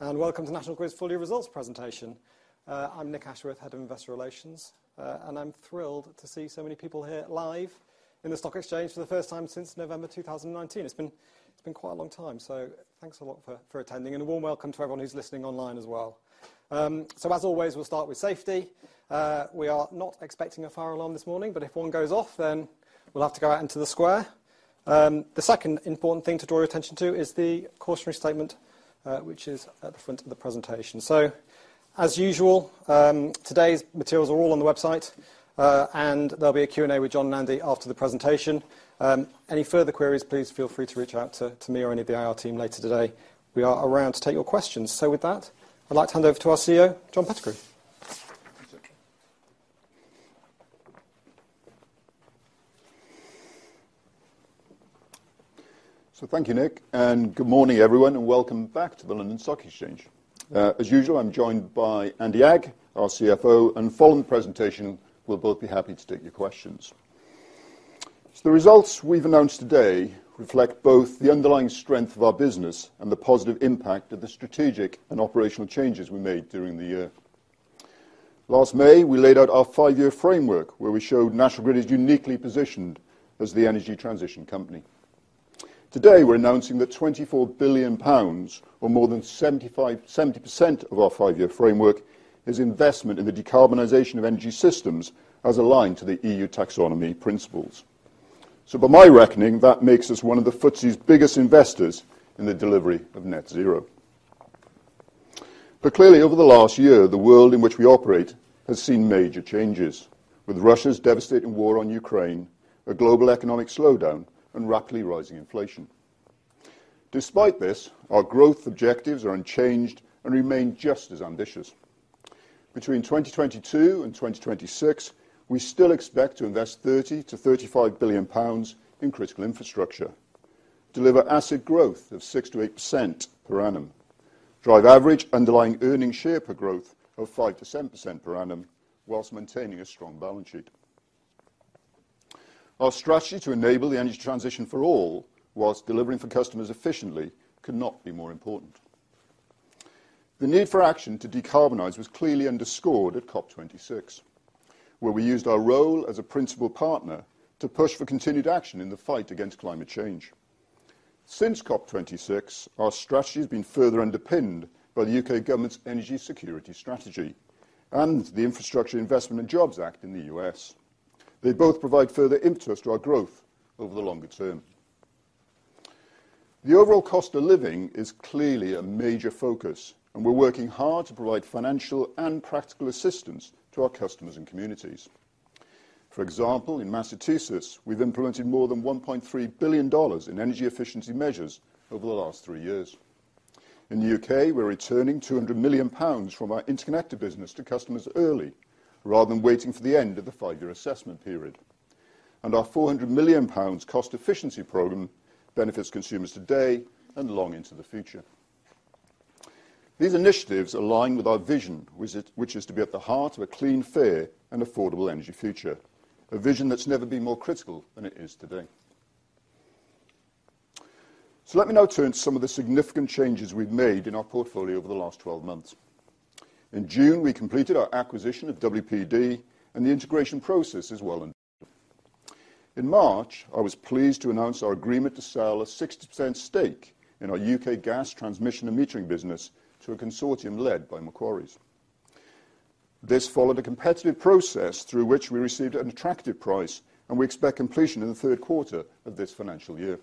Hello, everybody, and welcome to National Grid's Full Year Results Presentation. I'm Nick Ashworth, Head of Investor Relations, and I'm thrilled to see so many people here live in the Stock Exchange for the first time since November 2019. It's been quite a long time, so thanks a lot for attending. A warm welcome to everyone who's listening online as well. As always, we'll start with safety. We are not expecting a fire alarm this morning, but if one goes off, then we'll have to go out into the square. The second important thing to draw your attention to is the cautionary statement, which is at the front of the presentation. As usual, today's materials are all on the website, and there'll be a Q&A with John and Andy after the presentation. Any further queries, please feel free to reach out to me or any of the IR team later today. We are around to take your questions. With that, I'd like to hand over to our CEO, John Pettigrew. Thank you, Nick. Good morning, everyone, and welcome back to the London Stock Exchange. As usual, I'm joined by Andy Agg, our CFO, and following the presentation we'll both be happy to take your questions. The results we've announced today reflect both the underlying strength of our business and the positive impact of the strategic and operational changes we made during the year. Last May, we laid out our five year framework, where we showed National Grid is uniquely positioned as the energy transition company. Today, we're announcing that 24 billion pounds, or more than 70% of our five-year framework, is investment in the decarbonization of energy systems as aligned to the EU taxonomy principles. By my reckoning, that makes us one of the FTSE's biggest investors in the delivery of net zero. Clearly, over the last year, the world in which we operate has seen major changes with Russia's devastating war on Ukraine, a global economic slowdown, and rapidly rising inflation. Despite this, our growth objectives are unchanged and remain just as ambitious. Between 2022 and 2026, we still expect to invest 30-35 billion pounds in critical infrastructure, deliver asset growth of 6%-8% per annum, drive average underlying earnings per share growth of 5%-7% per annum, while maintaining a strong balance sheet. Our strategy to enable the energy transition for all, while delivering for customers efficiently, could not be more important. The need for action to decarbonize was clearly underscored at COP26, where we used our role as a principal partner to push for continued action in the fight against climate change. Since COP26, our strategy has been further underpinned by the British Energy Security Strategy and the Infrastructure Investment and Jobs Act in the US. They both provide further impetus to our growth over the longer term. The overall cost of living is clearly a major focus, and we're working hard to provide financial and practical assistance to our customers and communities. For example, in Massachusetts, we've implemented more than $1.3 billion in energy efficiency measures over the last three years. In the UK, we're returning 200 million pounds from our interconnected business to customers early, rather than waiting for the end of the five-year assessment period. Our 400 million pounds cost efficiency program benefits consumers today and long into the future. These initiatives align with our vision, which is to be at the heart of a clean, fair and affordable energy future. A vision that's never been more critical than it is today. Let me now turn to some of the significant changes we've made in our portfolio over the last 12 months. In June, we completed our acquisition of WPD and the integration process is well underway. In March, I was pleased to announce our agreement to sell a 60% stake in our UK gas transmission and metering business to a consortium led by Macquarie. This followed a competitive process through which we received an attractive price and we expect completion in the third quarter of this financial year.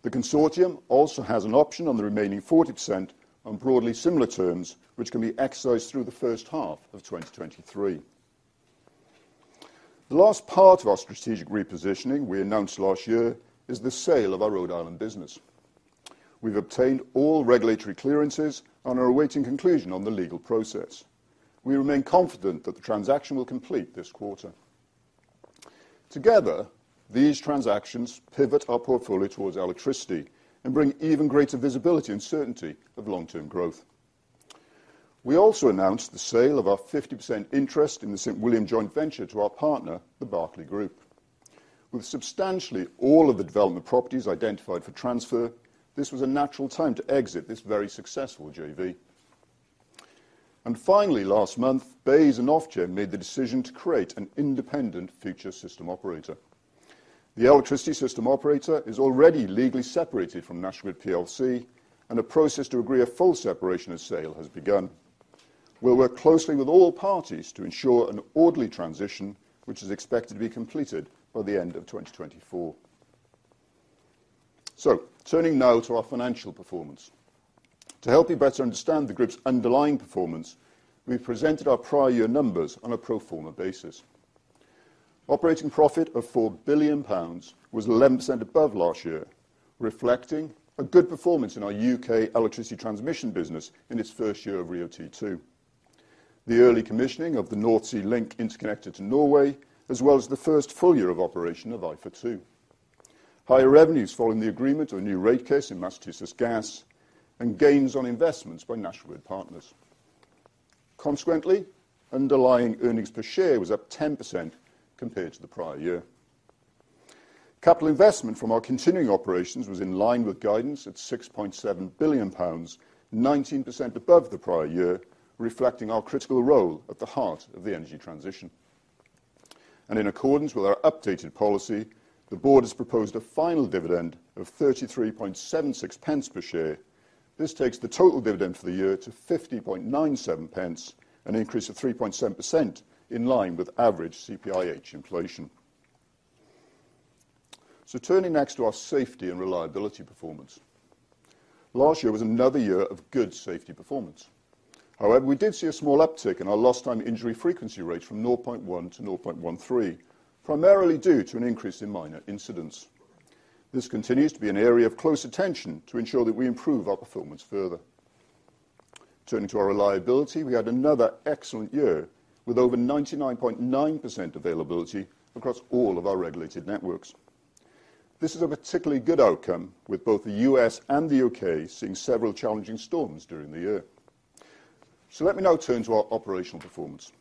The consortium also has an option on the remaining 40% on broadly similar terms, which can be exercised through the first half of 2023. The last part of our strategic repositioning we announced last year is the sale of our Rhode Island business. We've obtained all regulatory clearances and are awaiting conclusion on the legal process. We remain confident that the transaction will complete this quarter. Together, these transactions pivot our portfolio towards electricity and bring even greater visibility and certainty of long-term growth. We also announced the sale of our 50% interest in the St William joint venture to our partner, the Berkeley Group. With substantially all of the development properties identified for transfer, this was a natural time to exit this very successful JV. Finally, last month, BEIS and Ofgem made the decision to create an independent future system operator. The electricity system operator is already legally separated from National Grid plc, and a process to agree a full separation of sale has begun. We'll work closely with all parties to ensure an orderly transition, which is expected to be completed by the end of 2024. Turning now to our financial performance. To help you better understand the group's underlying performance, we presented our prior year numbers on a pro forma basis. Operating profit of 4 billion pounds was 11% above last year, reflecting a good performance in our UK. electricity transmission business in its first year of RIIO-T2, the early commissioning of the North Sea Link interconnector to Norway, as well as the first full year of operation of IFA2, higher revenues following the agreement of a new rate case in Massachusetts Gas, and gains on investments by National Grid Partners. Consequently, underlying earnings per share was up 10% compared to the prior year. Capital investment from our continuing operations was in line with guidance at 6.7 billion pounds, 19% above the prior year, reflecting our critical role at the heart of the energy transition. In accordance with our updated policy, the board has proposed a final dividend of 0.3376 per share. This takes the total dividend for the year to 0.5097, an increase of 3.7% in line with average CPIH inflation. Turning next to our safety and reliability performance. Last year was another year of good safety performance. However, we did see a small uptick in our lost time injury frequency rates from 0.1-0.13, primarily due to an increase in minor incidents. This continues to be an area of close attention to ensure that we improve our performance further. Turning to our reliability, we had another excellent year with over 99.9% availability across all of our regulated networks. This is a particularly good outcome with both the U.S. and the U.K. seeing several challenging storms during the year. Let me now turn to our operational performance.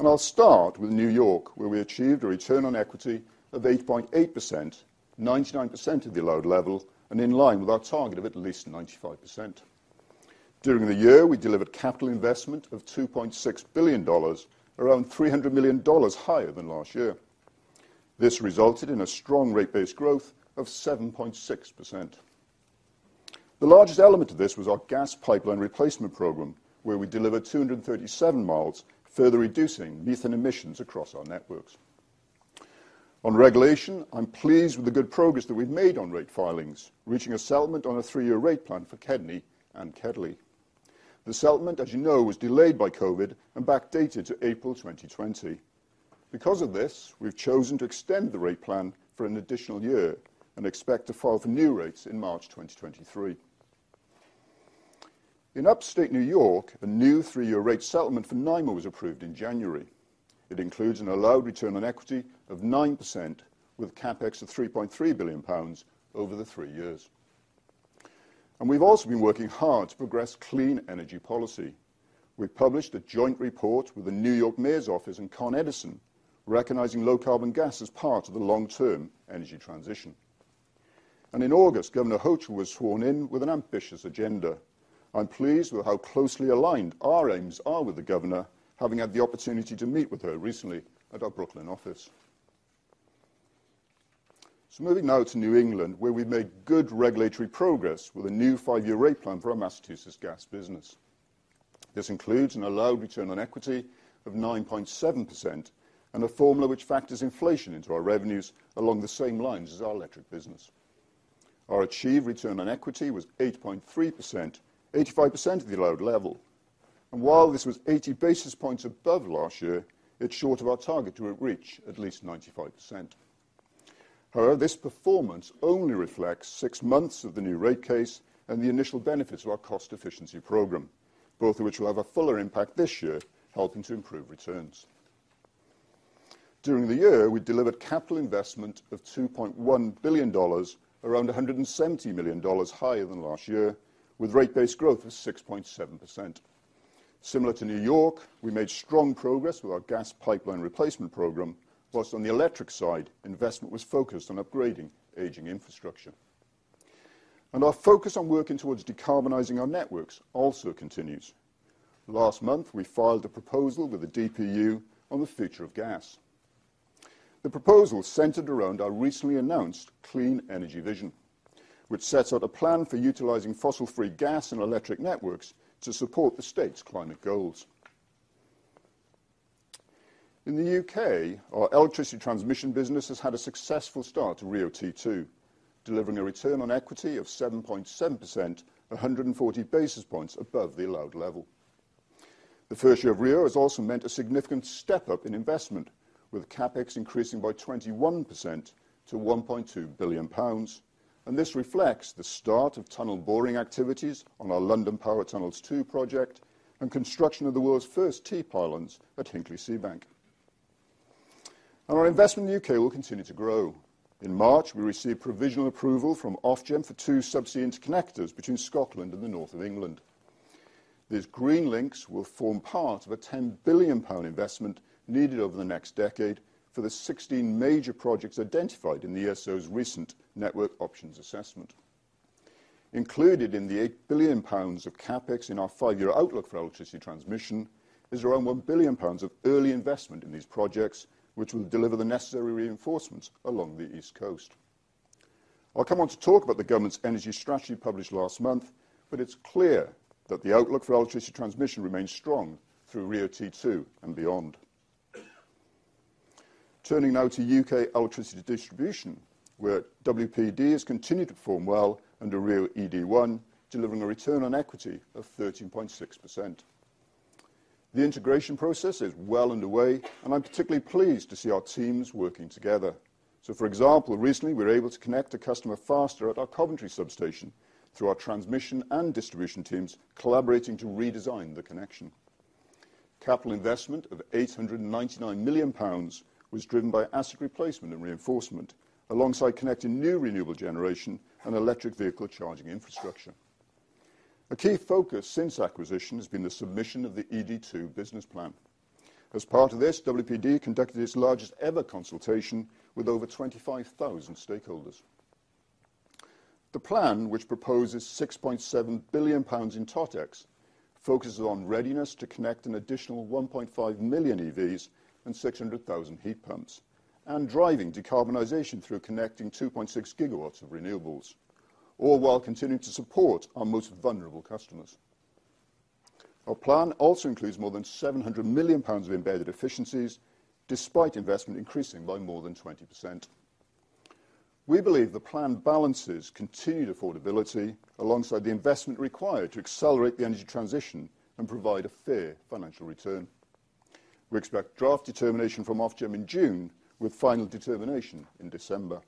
I'll start with New York, where we achieved a return on equity of 8.8%, 99% of the allowed level, and in line with our target of at least 95%. During the year, we delivered capital investment of $2.6 billion, around $300 million higher than last year. This resulted in a strong rate base growth of 7.6%. The largest element of this was our gas pipeline replacement program, where we delivered 237 miles, further reducing methane emissions across our networks. On regulation, I'm pleased with the good progress that we've made on rate filings, reaching a settlement on a three-year rate plan for KEDNY and KEDLI. The settlement, as you know, was delayed by COVID and backdated to April 2020. Because of this, we've chosen to extend the rate plan for an additional year and expect to file for new rates in March 2023. In Upstate New York, a new three-year rate settlement for Niagara Mohawk was approved in January. It includes an allowed return on equity of 9% with CapEx of 3.3 billion pounds over the three years. We've also been working hard to progress clean energy policy. We published a joint report with the New York Mayor's office and Con Edison, recognizing low-carbon gas as part of the long-term energy transition. In August, Governor Hochul was sworn in with an ambitious agenda. I'm pleased with how closely aligned our aims are with the Governor, having had the opportunity to meet with her recently at our Brooklyn office. Moving now to New England, where we've made good regulatory progress with a new five-year rate plan for our Massachusetts gas business. This includes an allowed return on equity of 9.7% and a formula which factors inflation into our revenues along the same lines as our electric business. Our achieved return on equity was 8.3%, 85% of the allowed level. While this was 80 basis points above last year, it's short of our target to reach at least 95%. However, this performance only reflects six months of the new rate case and the initial benefits of our cost efficiency program, both of which will have a fuller impact this year, helping to improve returns. During the year, we delivered capital investment of $2.1 billion, around $170 million higher than last year, with rate-based growth of 6.7%. Similar to New York, we made strong progress with our gas pipeline replacement program. Plus, on the electric side, investment was focused on upgrading aging infrastructure. Our focus on working towards decarbonizing our networks also continues. Last month, we filed a proposal with the DPU on the future of gas. The proposal centered around our recently announced clean energy vision, which sets out a plan for utilizing fossil-free gas and electric networks to support the state's climate goals. In the UK, our electricity transmission business has had a successful start to RIIO-T2, delivering a return on equity of 7.7%, 140 basis points above the allowed level. The first year of RIIO has also meant a significant step-up in investment, with CapEx increasing by 21% to 1.2 billion pounds. This reflects the start of tunnel boring activities on our London Power Tunnels two project and construction of the world's first T-pylons at Hinkley Point C. Our investment in the UK will continue to grow. In March, we received provisional approval from Ofgem for two subsea interconnectors between Scotland and the north of England. These green links will form part of a 10 billion pound investment needed over the next decade for the 16 major projects identified in the ESO's recent Network Options Assessment. Included in the 8 billion pounds of CapEx in our five-year outlook for electricity transmission is around 1 billion pounds of early investment in these projects, which will deliver the necessary reinforcements along the East Coast. I'll come on to talk about the government's energy strategy published last month, but it's clear that the outlook for electricity transmission remains strong through RIIO-T2 and beyond. Turning now to U.K. electricity distribution, where WPD has continued to perform well under RIIO-ED1, delivering a return on equity of 13.6%. The integration process is well underway, and I'm particularly pleased to see our teams working together. For example, recently, we were able to connect a customer faster at our Coventry substation through our transmission and distribution teams collaborating to redesign the connection. Capital investment of 899 million pounds was driven by asset replacement and reinforcement alongside connecting new renewable generation and electric vehicle charging infrastructure. A key focus since acquisition has been the submission of the ED2 business plan. As part of this, WPD conducted its largest ever consultation with over 25,000 stakeholders. The plan, which proposes 6.7 billion pounds in TotEx, focuses on readiness to connect an additional 1.5 million EVs and 600,000 heat pumps, and driving decarbonization through connecting 2.6 GW of renewables, all while continuing to support our most vulnerable customers. Our plan also includes more than 700 million pounds of embedded efficiencies, despite investment increasing by more than 20%. We believe the plan balances continued affordability alongside the investment required to accelerate the energy transition and provide a fair financial return. We expect draft determination from Ofgem in June, with final determination in December.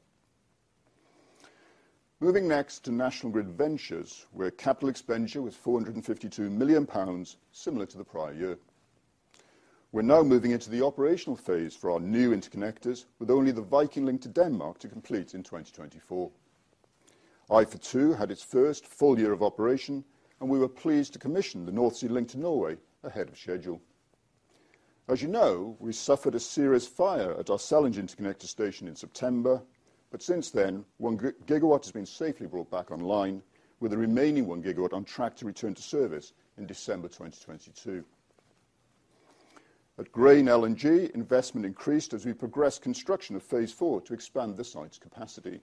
Moving next to National Grid Ventures, where capital expenditure was 452 million pounds, similar to the prior year. We're now moving into the operational phase for our new interconnectors, with only the Viking Link to Denmark to complete in 2024. IFA2 had its first full year of operation, and we were pleased to commission the North Sea Link to Norway ahead of schedule. As you know, we suffered a serious fire at our Sellindge converter station in September, but since then, one GW has been safely brought back online, with the remaining one GW on track to return to service in December 2022. At Grain LNG, investment increased as we progressed construction of phase IV to expand the site's capacity.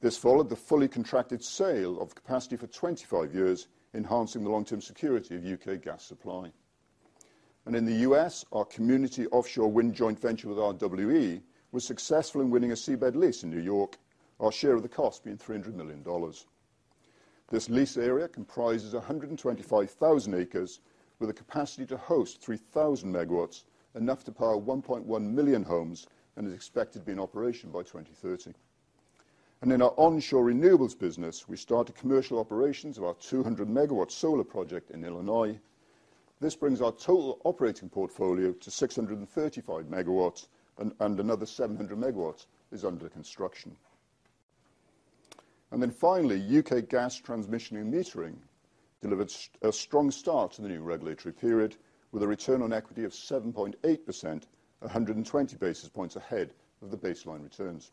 This followed the fully contracted sale of capacity for 25 years, enhancing the long-term security of UK gas supply. In the US, our community offshore wind joint venture with RWE was successful in winning a seabed lease in New York, our share of the cost being $300 million. This lease area comprises 125,000 acres with a capacity to host 3,000 MW, enough to power 1.1 million homes, and is expected to be in operation by 2030. In our onshore renewables business, we started commercial operations of our 200 MW solar project in Illinois. This brings our total operating portfolio to 635 MW, and another 700 MW is under construction. Finally, UK Gas Transmission and Metering delivered a strong start to the new regulatory period with a return on equity of 7.8%, 120 basis points ahead of the baseline returns.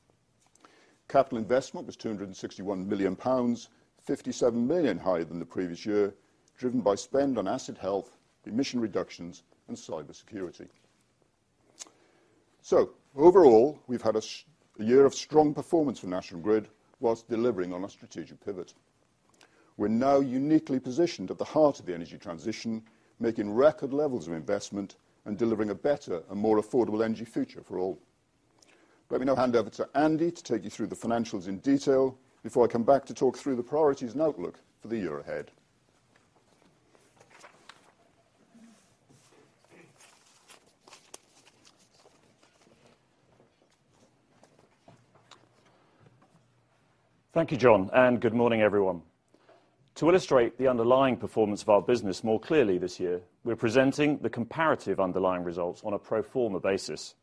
Capital investment was 261 million pounds, 57 million higher than the previous year, driven by spend on asset health, emission reductions, and cybersecurity. Overall, we've had a year of strong performance for National Grid while delivering on a strategic pivot. We're now uniquely positioned at the heart of the energy transition, making record levels of investment and delivering a better and more affordable energy future for all. Let me now hand over to Andy to take you through the financials in detail before I come back to talk through the priorities and outlook for the year ahead. Thank you, John, and good morning, everyone. To illustrate the underlying performance of our business more clearly this year, we're presenting the comparative underlying results on a pro forma basis.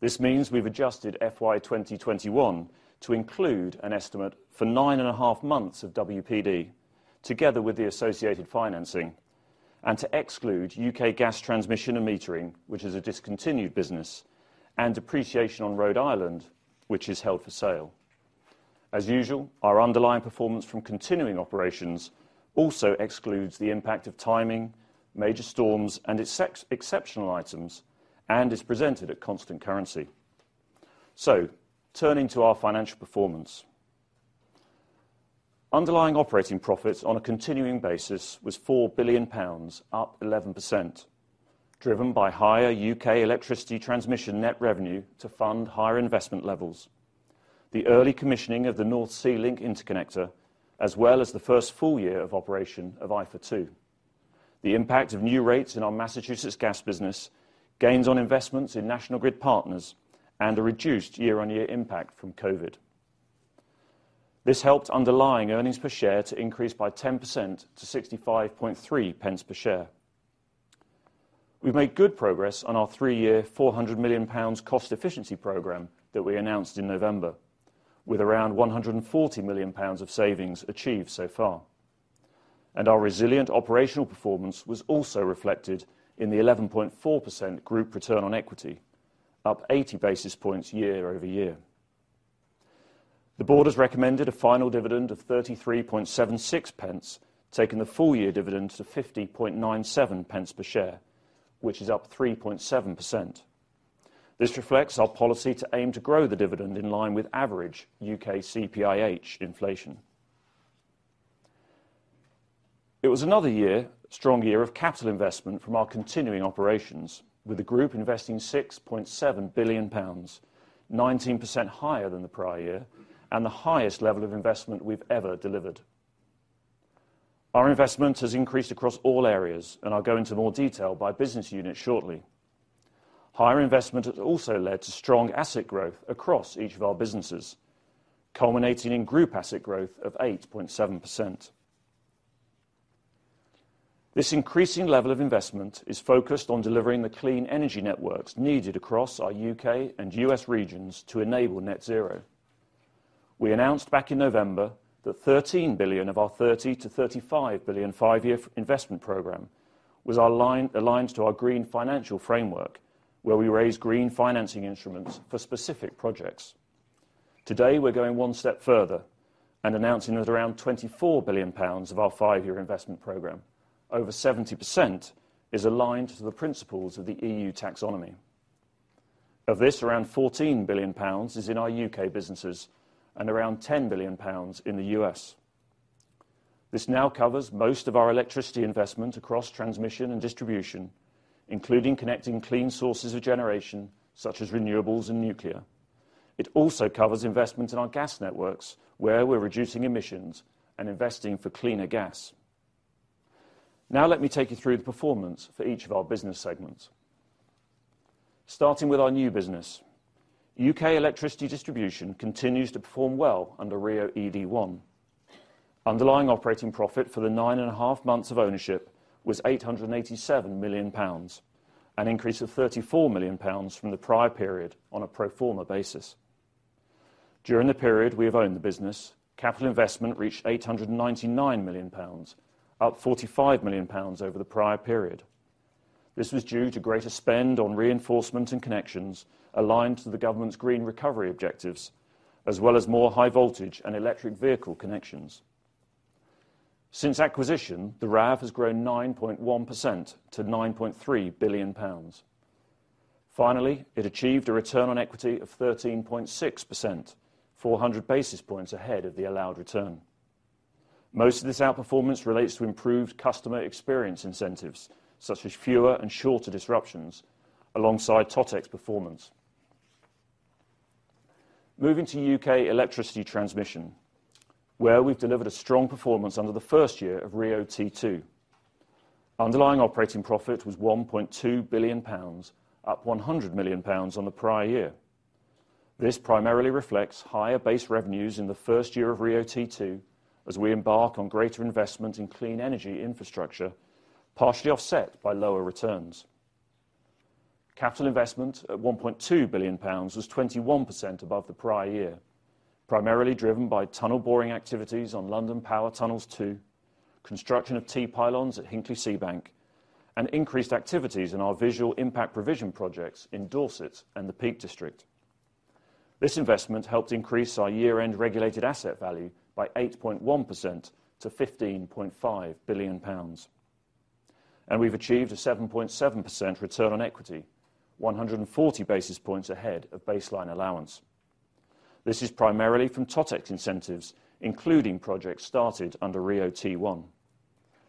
This means we've adjusted FY 2021 to include an estimate for nine and a half months of WPD together with the associated financing, and to exclude UK Gas Transmission and Metering, which is a discontinued business, and depreciation on Rhode Island, which is held for sale. As usual, our underlying performance from continuing operations also excludes the impact of timing, major storms, and exceptional items, and is presented at constant currency. Turning to our financial performance. Underlying operating profits on a continuing basis was 4 billion pounds, up 11%, driven by higher UK electricity transmission net revenue to fund higher investment levels. The early commissioning of the North Sea Link Interconnector, as well as the first full year of operation of IFA2. The impact of new rates in our Massachusetts gas business, gains on investments in National Grid Partners, and a reduced year-on-year impact from COVID. This helped underlying earnings per share to increase by 10% to 65.3 pence per share. We've made good progress on our three-year, 400 million pounds cost efficiency program that we announced in November, with around 140 million pounds of savings achieved so far. Our resilient operational performance was also reflected in the 11.4% group return on equity, up 80 basis points year-over-year. The board has recommended a final dividend of 33.76 pence, taking the full-year dividend to 50.97 pence per share, which is up 3.7%. This reflects our policy to aim to grow the dividend in line with average UK CPIH inflation. It was another strong year of capital investment from our continuing operations, with the group investing 6.7 billion pounds, 19% higher than the prior year and the highest level of investment we've ever delivered. Our investment has increased across all areas, and I'll go into more detail by business unit shortly. Higher investment has also led to strong asset growth across each of our businesses, culminating in group asset growth of 8.7%. This increasing level of investment is focused on delivering the clean energy networks needed across our UK and US regions to enable net zero. We announced back in November that 13 billion of our 30 billion-35 billion five-year investment program was aligned to our Green Financing Framework, where we raise green financing instruments for specific projects. Today, we're going one step further and announcing that around 24 billion pounds of our five-year investment program, over 70%, is aligned to the principles of the EU taxonomy. Of this, around 14 billion pounds is in our UK businesses and around 10 billion pounds in the US. This now covers most of our electricity investment across transmission and distribution, including connecting clean sources of generation such as renewables and nuclear. It also covers investments in our gas networks, where we're reducing emissions and investing for cleaner gas. Now let me take you through the performance for each of our business segments. Starting with our new business. UK electricity distribution continues to perform well under RIIO-ED1. Underlying operating profit for the nine and a half months of ownership was 887 million pounds, an increase of 34 million pounds from the prior period on a pro forma basis. During the period we have owned the business, capital investment reached 899 million pounds, up 45 million pounds over the prior period. This was due to greater spend on reinforcement and connections aligned to the government's green recovery objectives, as well as more high voltage and electric vehicle connections. Since acquisition, the RAV has grown 9.1% to 9.3 billion pounds. Finally, it achieved a return on equity of 13.6%, 400 basis points ahead of the allowed return. Most of this outperformance relates to improved customer experience incentives, such as fewer and shorter disruptions alongside totex performance. Moving to UK electricity transmission, where we've delivered a strong performance under the first year of RIIO T2. Underlying operating profit was 1.2 billion pounds, up 100 million pounds on the prior year. This primarily reflects higher base revenues in the first year of RIIO T2 as we embark on greater investment in clean energy infrastructure, partially offset by lower returns. Capital investment of 1.2 billion pounds was 21% above the prior year, primarily driven by tunnel boring activities on London Power Tunnels 2, construction of T-pylons at Hinkley Point C, and increased activities in our Visual Impact Provision projects in Dorset and the Peak District. This investment helped increase our year-end regulated asset value by 8.1% to 15.5 billion pounds. We've achieved a 7.7% return on equity, 140 basis points ahead of baseline allowance. This is primarily from TotEx incentives, including projects started under RIIO-T1,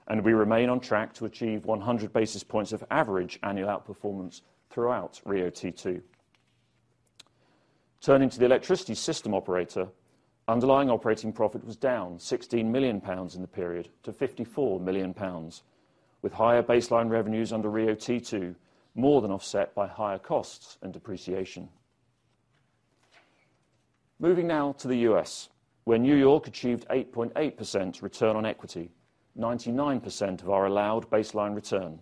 and we remain on track to achieve 100 basis points of average annual outperformance throughout RIIO-T2. Turning to the electricity system operator, underlying operating profit was down 16 million pounds in the period to 54 million pounds, with higher baseline revenues under RIIO-T2, more than offset by higher costs and depreciation. Moving now to the U.S., where New York achieved 8.8% return on equity, 99% of our allowed baseline return.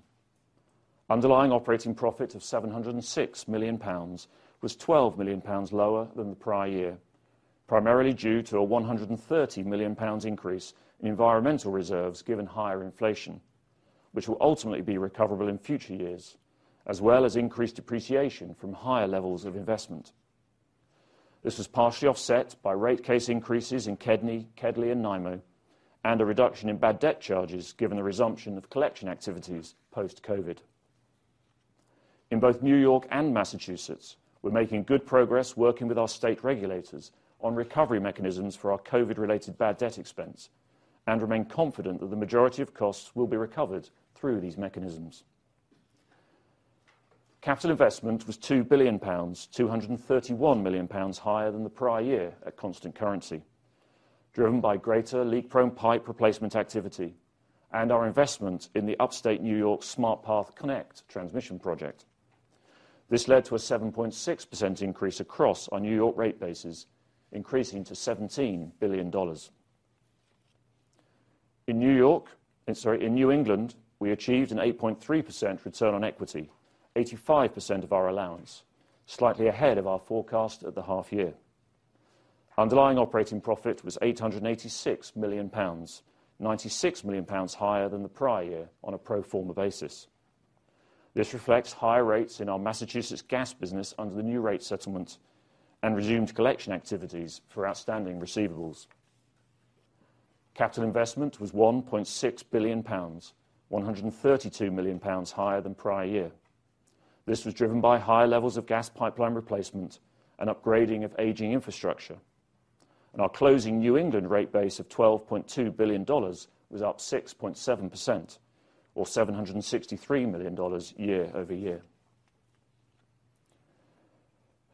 Underlying operating profit of 706 million pounds was 12 million pounds lower than the prior year, primarily due to a 130 million pounds increase in environmental reserves given higher inflation, which will ultimately be recoverable in future years, as well as increased depreciation from higher levels of investment. This was partially offset by rate case increases in KEDNY, KEDLI, and NIMO, and a reduction in bad debt charges, given the resumption of collection activities post-COVID. In both New York and Massachusetts, we're making good progress working with our state regulators on recovery mechanisms for our COVID-related bad debt expense and remain confident that the majority of costs will be recovered through these mechanisms. Capital investment was 2 billion pounds, 231 million pounds higher than the prior year at constant currency, driven by greater leak-prone pipe replacement activity and our investment in the Upstate New York Smart Path Connect transmission project. This led to a 7.6% increase across our New York rate bases, increasing to $17 billion. In New England, we achieved an 8.3% return on equity, 85% of our allowance, slightly ahead of our forecast at the half year. Underlying operating profit was 886 million pounds, 96 million pounds higher than the prior year on a pro forma basis. This reflects higher rates in our Massachusetts gas business under the new rate settlement and resumed collection activities for outstanding receivables. Capital investment was 1.6 billion pounds, 132 million pounds higher than prior year. This was driven by high levels of gas pipeline replacement and upgrading of aging infrastructure. Our closing New England rate base of $12.2 billion was up 6.7% or $763 million year-over-year.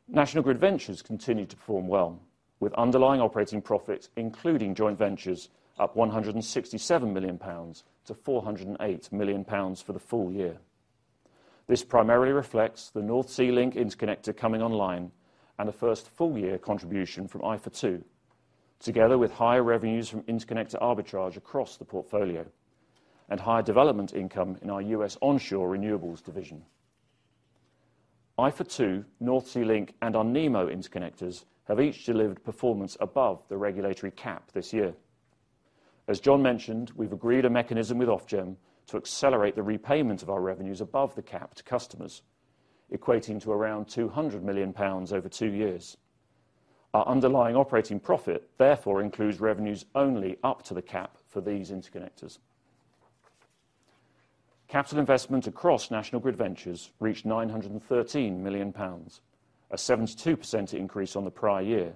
National Grid Ventures continued to perform well with underlying operating profits, including joint ventures up GBP 167 million to GBP 408 million for the full year. This primarily reflects the North Sea Link interconnector coming online and the first full year contribution from IFA2, together with higher revenues from interconnector arbitrage across the portfolio and higher development income in our U.S. onshore renewables division. IFA2, North Sea Link and our Nemo Link interconnectors have each delivered performance above the regulatory cap this year. As John mentioned, we've agreed a mechanism with Ofgem to accelerate the repayment of our revenues above the cap to customers, equating to around 200 million pounds over two years. Our underlying operating profit, therefore, includes revenues only up to the cap for these interconnectors. Capital investment across National Grid Ventures reached 913 million pounds, a 72% increase on the prior year,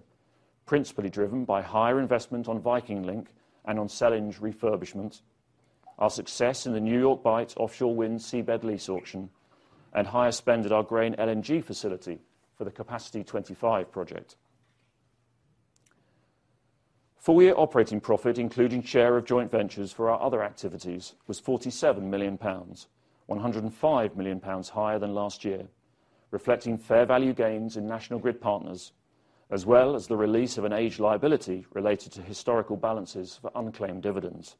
principally driven by higher investment on Viking Link and on Sellindge refurbishment, our success in the New York Bight offshore wind seabed lease auction, and higher spend at our Grain LNG facility for the Capacity 25 project. Full-year operating profit, including share of joint ventures for our other activities, was 47 million pounds. 105 million pounds higher than last year, reflecting fair value gains in National Grid Partners, as well as the release of an aged liability related to historical balances for unclaimed dividends.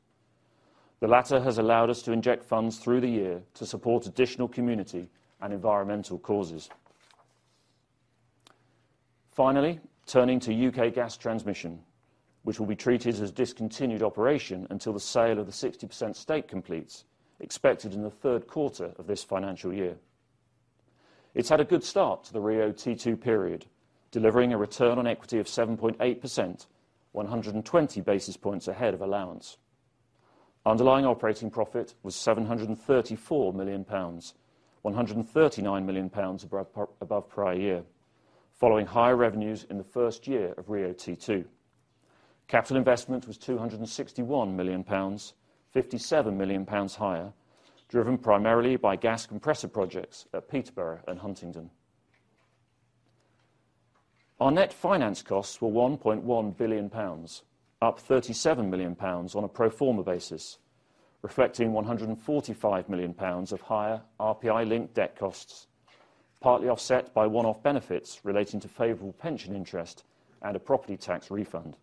The latter has allowed us to inject funds through the year to support additional community and environmental causes. Finally, turning to UK gas transmission, which will be treated as discontinued operation until the sale of the 60% stake completes, expected in the third quarter of this financial year. It's had a good start to the RIIO-T2 period, delivering a return on equity of 7.8%, 120 basis points ahead of allowance. Underlying operating profit was 734 million pounds. 139 million pounds above prior year, following higher revenues in the first year of RIIO-T2. Capital investment was 261 million pounds, 57 million pounds higher, driven primarily by gas compressor projects at Peterborough and Huntingdon. Our net finance costs were 1.1 billion pounds, up 37 million pounds on a pro forma basis, reflecting 145 million pounds of higher RPI-linked debt costs, partly offset by one-off benefits relating to favorable pension interest and a property tax refund.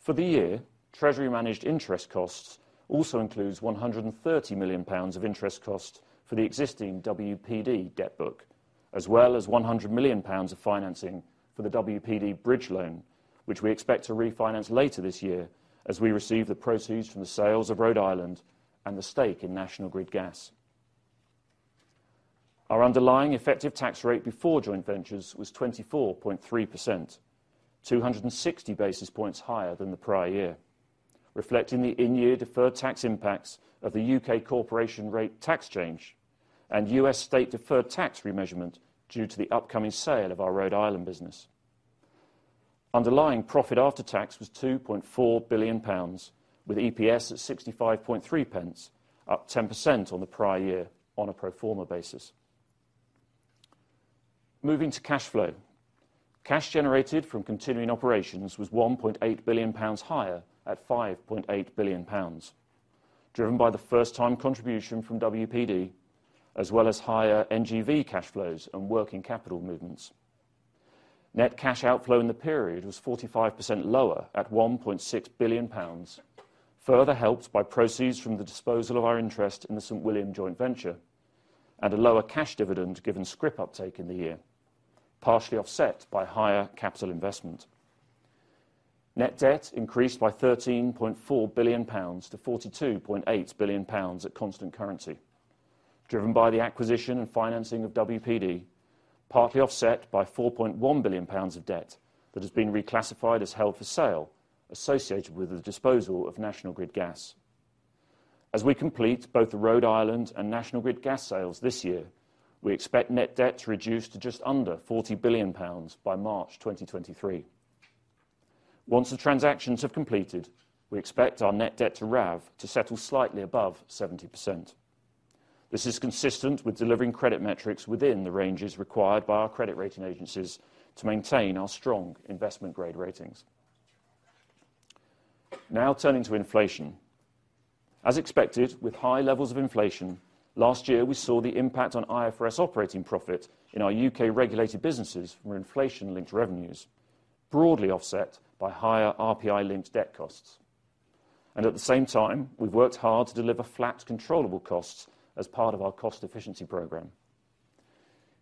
For the year, treasury managed interest costs also includes 130 million pounds of interest cost for the existing WPD debt book, as well as 100 million pounds of financing for the WPD bridge loan, which we expect to refinance later this year as we receive the proceeds from the sales of Rhode Island and the stake in National Grid Gas. Our underlying effective tax rate before joint ventures was 24.3%, 260 basis points higher than the prior year, reflecting the in-year deferred tax impacts of the UK corporation tax rate change and US state deferred tax remeasurement due to the upcoming sale of our Rhode Island business. Underlying profit after tax was 2.4 billion pounds, with EPS at 65.3 pence, up 10% on the prior year on a pro forma basis. Moving to cash flow. Cash generated from continuing operations was 1.8 billion pounds higher at 5.8 billion pounds, driven by the first time contribution from WPD as well as higher NGV cash flows and working capital movements. Net cash outflow in the period was 45% lower at 1.6 billion pounds, further helped by proceeds from the disposal of our interest in the St William joint venture and a lower cash dividend given scrip uptake in the year, partially offset by higher capital investment. Net debt increased by 13.4 billion pounds to 42.8 billion pounds at constant currency, driven by the acquisition and financing of WPD, partly offset by 4.1 billion pounds of debt that has been reclassified as held for sale associated with the disposal of National Grid Gas. As we complete both the Rhode Island and National Grid Gas sales this year, we expect net debt to reduce to just under 40 billion pounds by March 2023. Once the transactions have completed, we expect our net debt to RAV to settle slightly above 70%. This is consistent with delivering credit metrics within the ranges required by our credit rating agencies to maintain our strong investment grade ratings. Now turning to inflation. As expected, with high levels of inflation, last year we saw the impact on IFRS operating profit in our U.K. regulated businesses where inflation-linked revenues broadly offset by higher RPI-linked debt costs. At the same time, we've worked hard to deliver flat controllable costs as part of our cost efficiency program.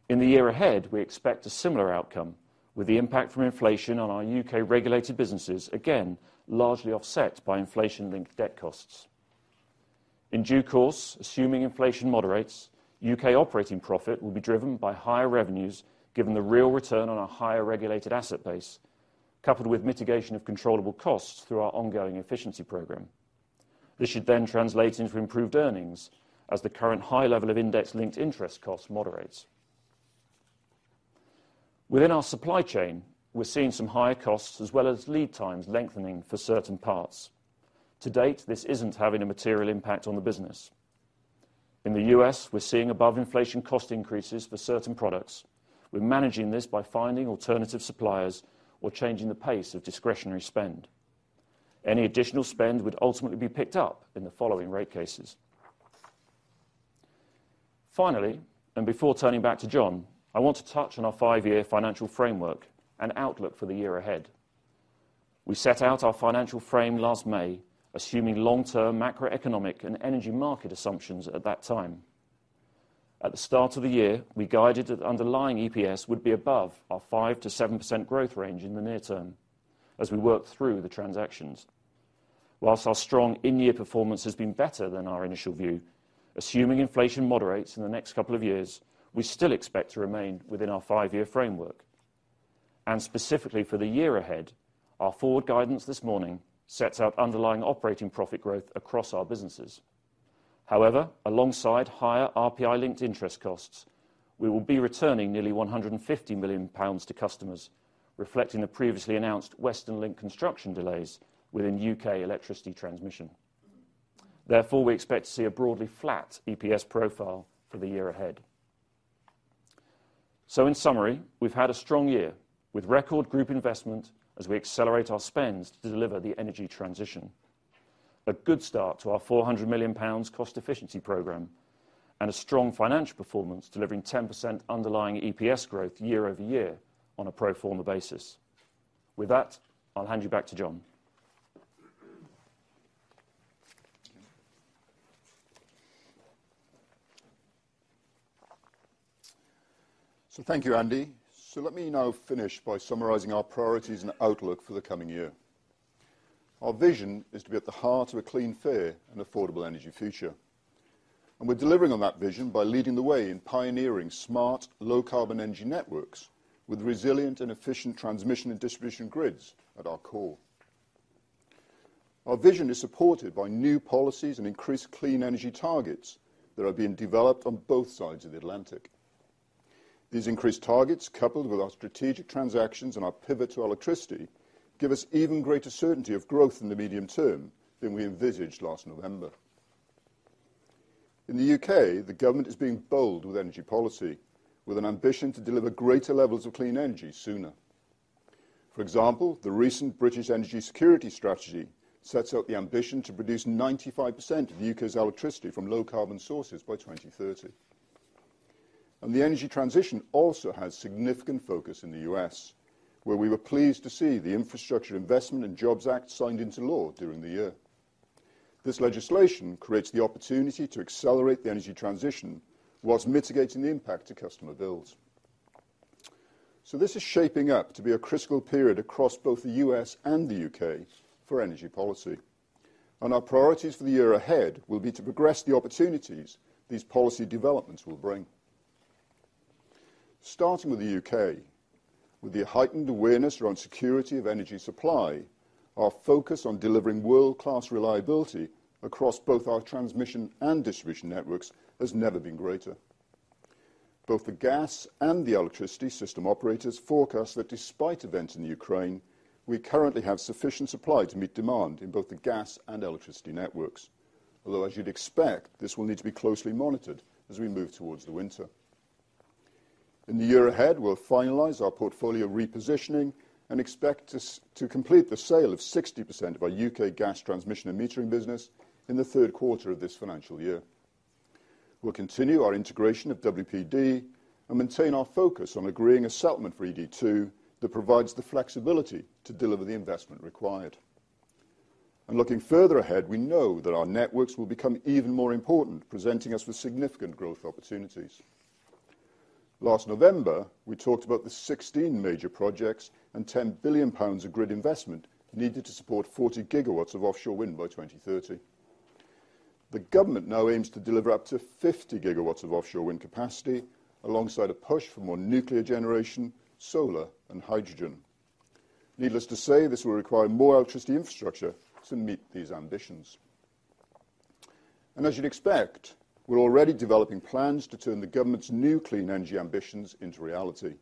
In the year ahead, we expect a similar outcome with the impact from inflation on our U.K. regulated businesses, again, largely offset by inflation-linked debt costs. In due course, assuming inflation moderates, U.K. operating profit will be driven by higher revenues, given the real return on a higher regulated asset base, coupled with mitigation of controllable costs through our ongoing efficiency program. This should then translate into improved earnings as the current high level of index-linked interest costs moderates. Within our supply chain, we're seeing some higher costs as well as lead times lengthening for certain parts. To date, this isn't having a material impact on the business. In the US, we're seeing above-inflation cost increases for certain products. We're managing this by finding alternative suppliers or changing the pace of discretionary spend. Any additional spend would ultimately be picked up in the following rate cases. Finally, before turning back to John, I want to touch on our five-year financial framework and outlook for the year ahead. We set out our financial frame last May, assuming long-term macroeconomic and energy market assumptions at that time. At the start of the year, we guided that underlying EPS would be above our 5%-7% growth range in the near term as we work through the transactions. While our strong in-year performance has been better than our initial view, assuming inflation moderates in the next couple of years, we still expect to remain within our five year framework. Specifically for the year ahead, our forward guidance this morning sets out underlying operating profit growth across our businesses. However, alongside higher RPI-linked interest costs, we will be returning nearly 150 million pounds to customers, reflecting the previously announced Western Link construction delays within UK electricity transmission. Therefore, we expect to see a broadly flat EPS profile for the year ahead. In summary, we've had a strong year with record group investment as we accelerate our spends to deliver the energy transition. A good start to our 400 million pounds cost efficiency program and a strong financial performance, delivering 10% underlying EPS growth year-over-year on a pro forma basis. With that, I'll hand you back to John. Thank you, Andy. Let me now finish by summarizing our priorities and outlook for the coming year. Our vision is to be at the heart of a clean, fair and affordable energy future, and we're delivering on that vision by leading the way in pioneering smart, low-carbon energy networks with resilient and efficient transmission and distribution grids at our core. Our vision is supported by new policies and increased clean energy targets that are being developed on both sides of the Atlantic. These increased targets, coupled with our strategic transactions and our pivot to electricity, give us even greater certainty of growth in the medium term than we envisioned last November. In the UK, the government is being bold with energy policy, with an ambition to deliver greater levels of clean energy sooner. For example, the recent British Energy Security Strategy sets out the ambition to produce 95% of the U.K.'s electricity from low-carbon sources by 2030. The energy transition also has significant focus in the U.S., where we were pleased to see the Infrastructure Investment and Jobs Act signed into law during the year. This legislation creates the opportunity to accelerate the energy transition while mitigating the impact to customer bills. This is shaping up to be a critical period across both the U.S. and the U.K. for energy policy. Our priorities for the year ahead will be to progress the opportunities these policy developments will bring. Starting with the U.K., with the heightened awareness around security of energy supply, our focus on delivering world-class reliability across both our transmission and distribution networks has never been greater. Both the gas and the electricity system operators forecast that despite events in Ukraine, we currently have sufficient supply to meet demand in both the gas and electricity networks. Although as you'd expect, this will need to be closely monitored as we move towards the winter. In the year ahead, we'll finalize our portfolio repositioning and expect to complete the sale of 60% of our UK gas transmission and metering business in the third quarter of this financial year. We'll continue our integration of WPD and maintain our focus on agreeing a settlement for ED2 that provides the flexibility to deliver the investment required. Looking further ahead, we know that our networks will become even more important, presenting us with significant growth opportunities. Last November, we talked about the 16 major projects and 10 billion pounds of grid investment needed to support 40 GW of offshore wind by 2030. The government now aims to deliver up to 50 GW of offshore wind capacity alongside a push for more nuclear generation, solar and hydrogen. Needless to say, this will require more electricity infrastructure to meet these ambitions. As you'd expect, we're already developing plans to turn the government's new clean energy ambitions into reality,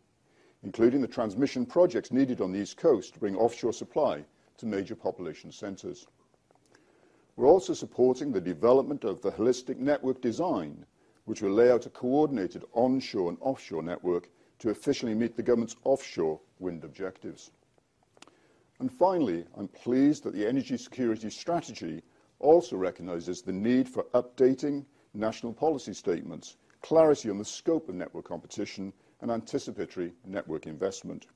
including the transmission projects needed on the East Coast to bring offshore supply to major population centers. We're also supporting the development of the Holistic Network Design, which will lay out a coordinated onshore and offshore network to efficiently meet the government's offshore wind objectives. Finally, I'm pleased that the British Energy Security Strategy also recognizes the need for updating National Policy Statements, clarity on the scope of network competition, and Anticipatory Network Investment.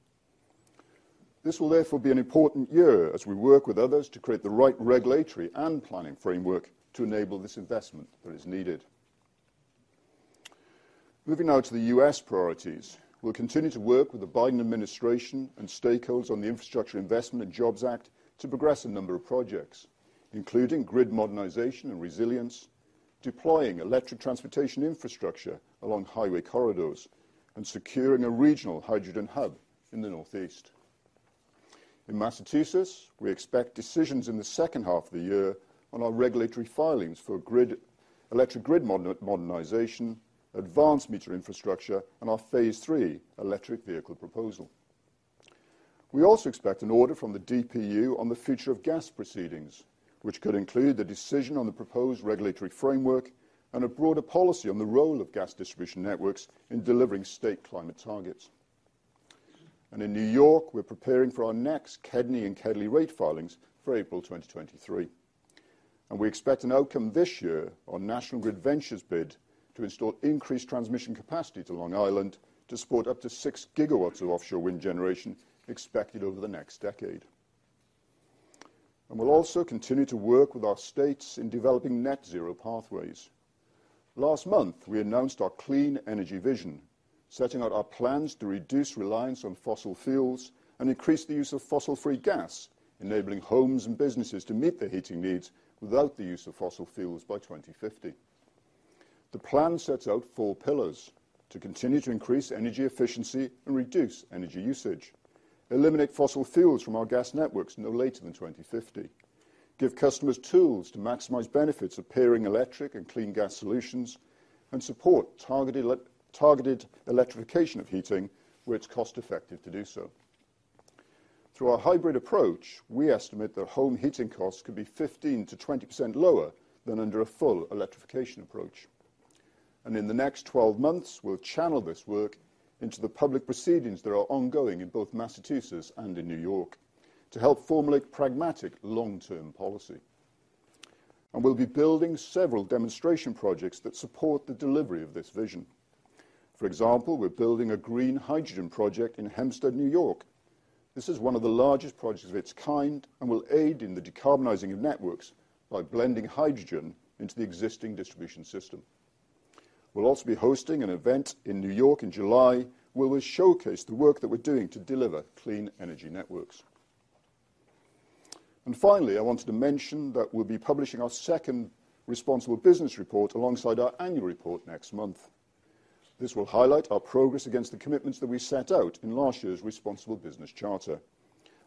This will therefore be an important year as we work with others to create the right regulatory and planning framework to enable this investment that is needed. Moving now to the U.S. priorities. We'll continue to work with the Biden administration and stakeholders on the Infrastructure Investment and Jobs Act to progress a number of projects, including grid modernization and resilience, deploying electric transportation infrastructure along highway corridors, and securing a regional hydrogen hub in the Northeast. In Massachusetts, we expect decisions in the second half of the year on our regulatory filings for grid, electric grid modernization, advanced meter infrastructure, and our phase three electric vehicle proposal. We also expect an order from the DPU on the future of gas proceedings, which could include the decision on the proposed regulatory framework and a broader policy on the role of gas distribution networks in delivering state climate targets. In New York, we're preparing for our next KEDNY and KEDLI rate filings for April 2023. We expect an outcome this year on National Grid Ventures' bid to install increased transmission capacity to Long Island to support up to 6 GW of offshore wind generation expected over the next decade. We'll also continue to work with our states in developing net zero pathways. Last month, we announced our clean energy vision, setting out our plans to reduce reliance on fossil fuels and increase the use of fossil-free gas, enabling homes and businesses to meet their heating needs without the use of fossil fuels by 2050. The plan sets out four pillars to continue to increase energy efficiency and reduce energy usage, eliminate fossil fuels from our gas networks no later than 2050, give customers tools to maximize benefits of pairing electric and clean gas solutions, and support targeted electrification of heating where it's cost-effective to do so. Through our hybrid approach, we estimate that home heating costs could be 15%-20% lower than under a full electrification approach. In the next 12 months, we'll channel this work into the public proceedings that are ongoing in both Massachusetts and in New York to help formulate pragmatic long-term policy. We'll be building several demonstration projects that support the delivery of this vision. For example, we're building a green hydrogen project in Hempstead, New York. This is one of the largest projects of its kind and will aid in the decarbonizing of networks by blending hydrogen into the existing distribution system. We'll also be hosting an event in New York in July, where we'll showcase the work that we're doing to deliver clean energy networks. Finally, I wanted to mention that we'll be publishing our second Responsible Business Report alongside our annual report next month. This will highlight our progress against the commitments that we set out in last year's Responsible Business Charter.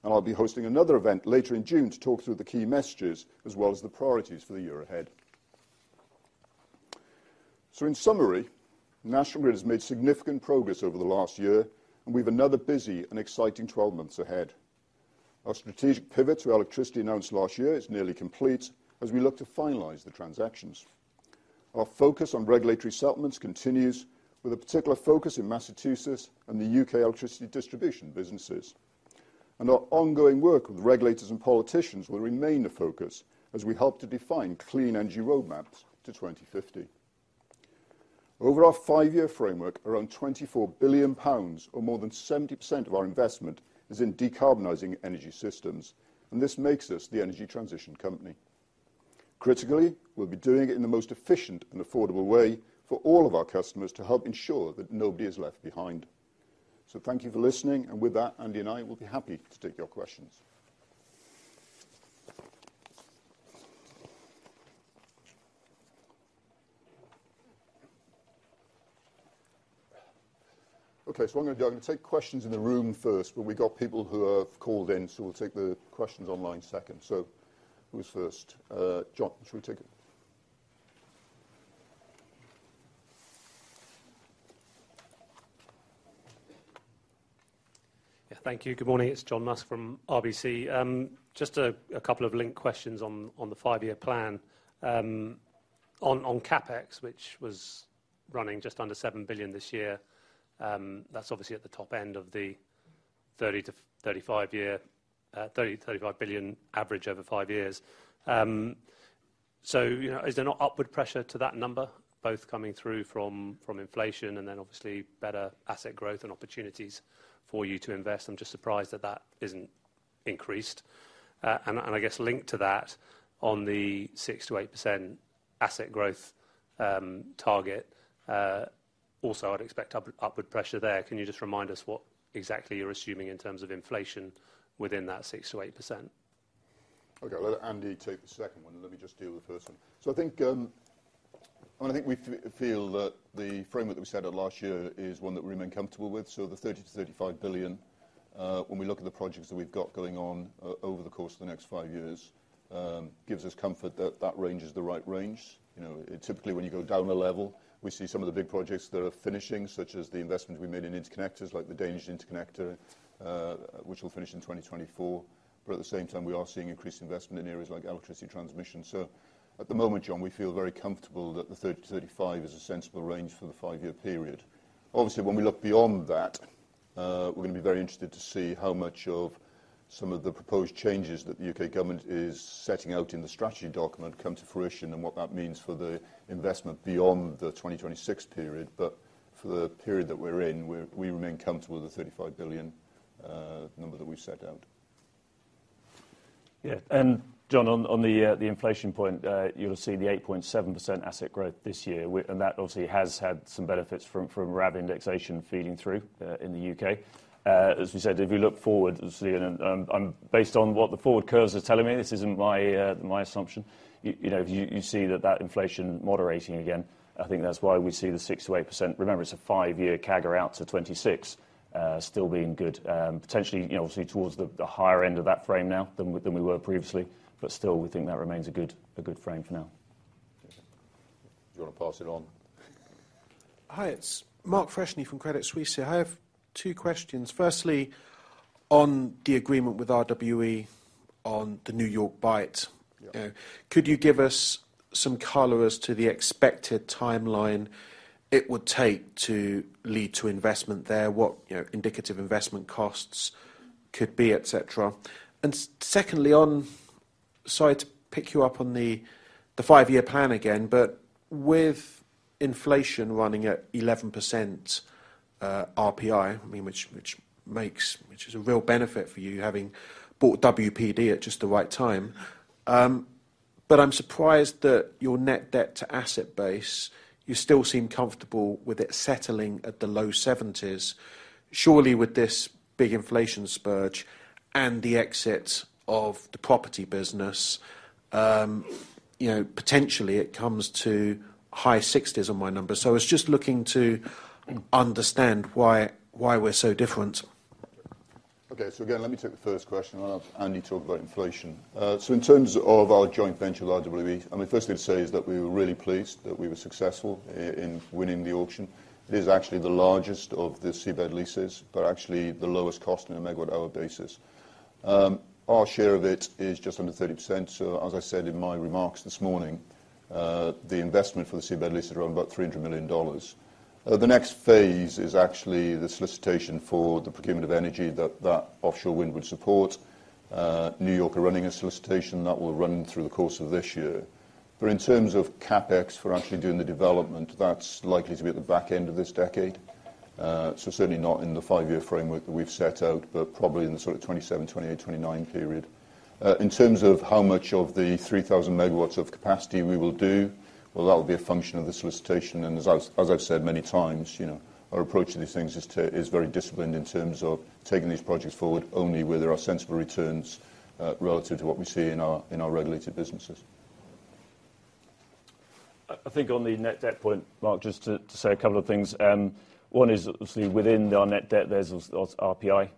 I'll be hosting another event later in June to talk through the key messages as well as the priorities for the year ahead. In summary, National Grid has made significant progress over the last year, and we've another busy and exciting 12 months ahead. Our strategic pivot to electricity announced last year is nearly complete as we look to finalize the transactions. Our focus on regulatory settlements continues with a particular focus in Massachusetts and the UK electricity distribution businesses. Our ongoing work with regulators and politicians will remain the focus as we help to define clean energy roadmaps to 2050. Over our five-year framework, around 24 billion pounds, or more than 70% of our investment, is in decarbonizing energy systems, and this makes us the energy transition company. Critically, we'll be doing it in the most efficient and affordable way for all of our customers to help ensure that nobody is left behind. Thank you for listening. With that, Andy and I will be happy to take your questions. Okay. What I'm gonna do, I'm gonna take questions in the room first, but we got people who have called in, so we'll take the questions online second. Who's first? John, should we take it? Yeah, thank you. Good morning. It's John Musk from RBC. Just a couple of linked questions on the five-year plan. On CapEx, which was running just under 7 billion this year, that's obviously at the top end of the 30 billion-35 billion average over five years. You know, is there not upward pressure to that number, both coming through from inflation and then obviously better asset growth and opportunities for you to invest? I'm just surprised that that isn't increased. I guess linked to that, on the 6%-8% asset growth target, also I'd expect upward pressure there. Can you just remind us what exactly you're assuming in terms of inflation within that 6%-8%? Okay, I'll let Andy take the second one. Let me just deal with the first one. I think we feel that the framework that we set out last year is one that we remain comfortable with. The 30 billion-35 billion, when we look at the projects that we've got going on over the course of the next five years, gives us comfort that that range is the right range. You know, typically, when you go down a level, we see some of the big projects that are finishing, such as the investment we made in interconnectors like the Danish interconnector, which will finish in 2024. At the same time, we are seeing increased investment in areas like electricity transmission. At the moment, John, we feel very comfortable that the 30 billion-35 billion is a sensible range for the five-year period. Obviously, when we look beyond that, we're gonna be very interested to see how much of some of the proposed changes that the UK government is setting out in the strategy document come to fruition and what that means for the investment beyond the 2026 period. For the period that we're in, we remain comfortable with the 35 billion number that we've set out. Yeah. John, on the inflation point, you'll see the 8.7% asset growth this year. That obviously has had some benefits from RAV indexation feeding through in the UK. As we said, if we look forward, it's based on what the forward curves are telling me, this isn't my assumption. You know, you see that inflation moderating again. I think that's why we see the 6%-8%, remember, it's a five-year CAGR out to 2026, still being good. Potentially, you know, obviously towards the higher end of that frame now than we were previously. Still, we think that remains a good frame for now. Do you wanna pass it on? Hi, it's Mark Freshney from Credit Suisse here. I have two questions. Firstly, on the agreement with RWE on the New York Bight- Yeah. Could you give us some color as to the expected timeline it would take to lead to investment there? What, you know, indicative investment costs could be, etc. Secondly, on—sorry to pick you up on the five-year plan again, but with inflation running at 11%, RPI, I mean, which is a real benefit for you having bought WPD at just the right time. But I'm surprised that your net debt to asset base, you still seem comfortable with it settling at the low 70s. Surely with this big inflation surge and the exit of the property business, you know, potentially it comes to high 60s on my numbers. So I was just looking to understand why we're so different. Okay. Again, let me take the first question, and I'll have Andy talk about inflation. In terms of our joint venture with RWE, I mean, firstly to say is that we were really pleased that we were successful in winning the auction. It is actually the largest of the seabed leases, but actually the lowest cost in a MW hour basis. Our share of it is just under 30%, so as I said in my remarks this morning, the investment for the seabed lease is around about $300 million. The next phase is actually the solicitation for the procurement of energy that offshore wind would support. New York are running a solicitation that will run through the course of this year. In terms of CapEx for actually doing the development, that's likely to be at the back end of this decade. So certainly not in the five-year framework that we've set out, but probably in the sort of 2027, 2028, 2029 period. In terms of how much of the 3,000 MWs of capacity we will do, well, that will be a function of the solicitation. As I've said many times, you know, our approach to these things is very disciplined in terms of taking these projects forward only where there are sensible returns, relative to what we see in our regulated businesses. I think on the net debt point, Mark, just to say a couple of things. One is obviously within our net debt, there's also RPI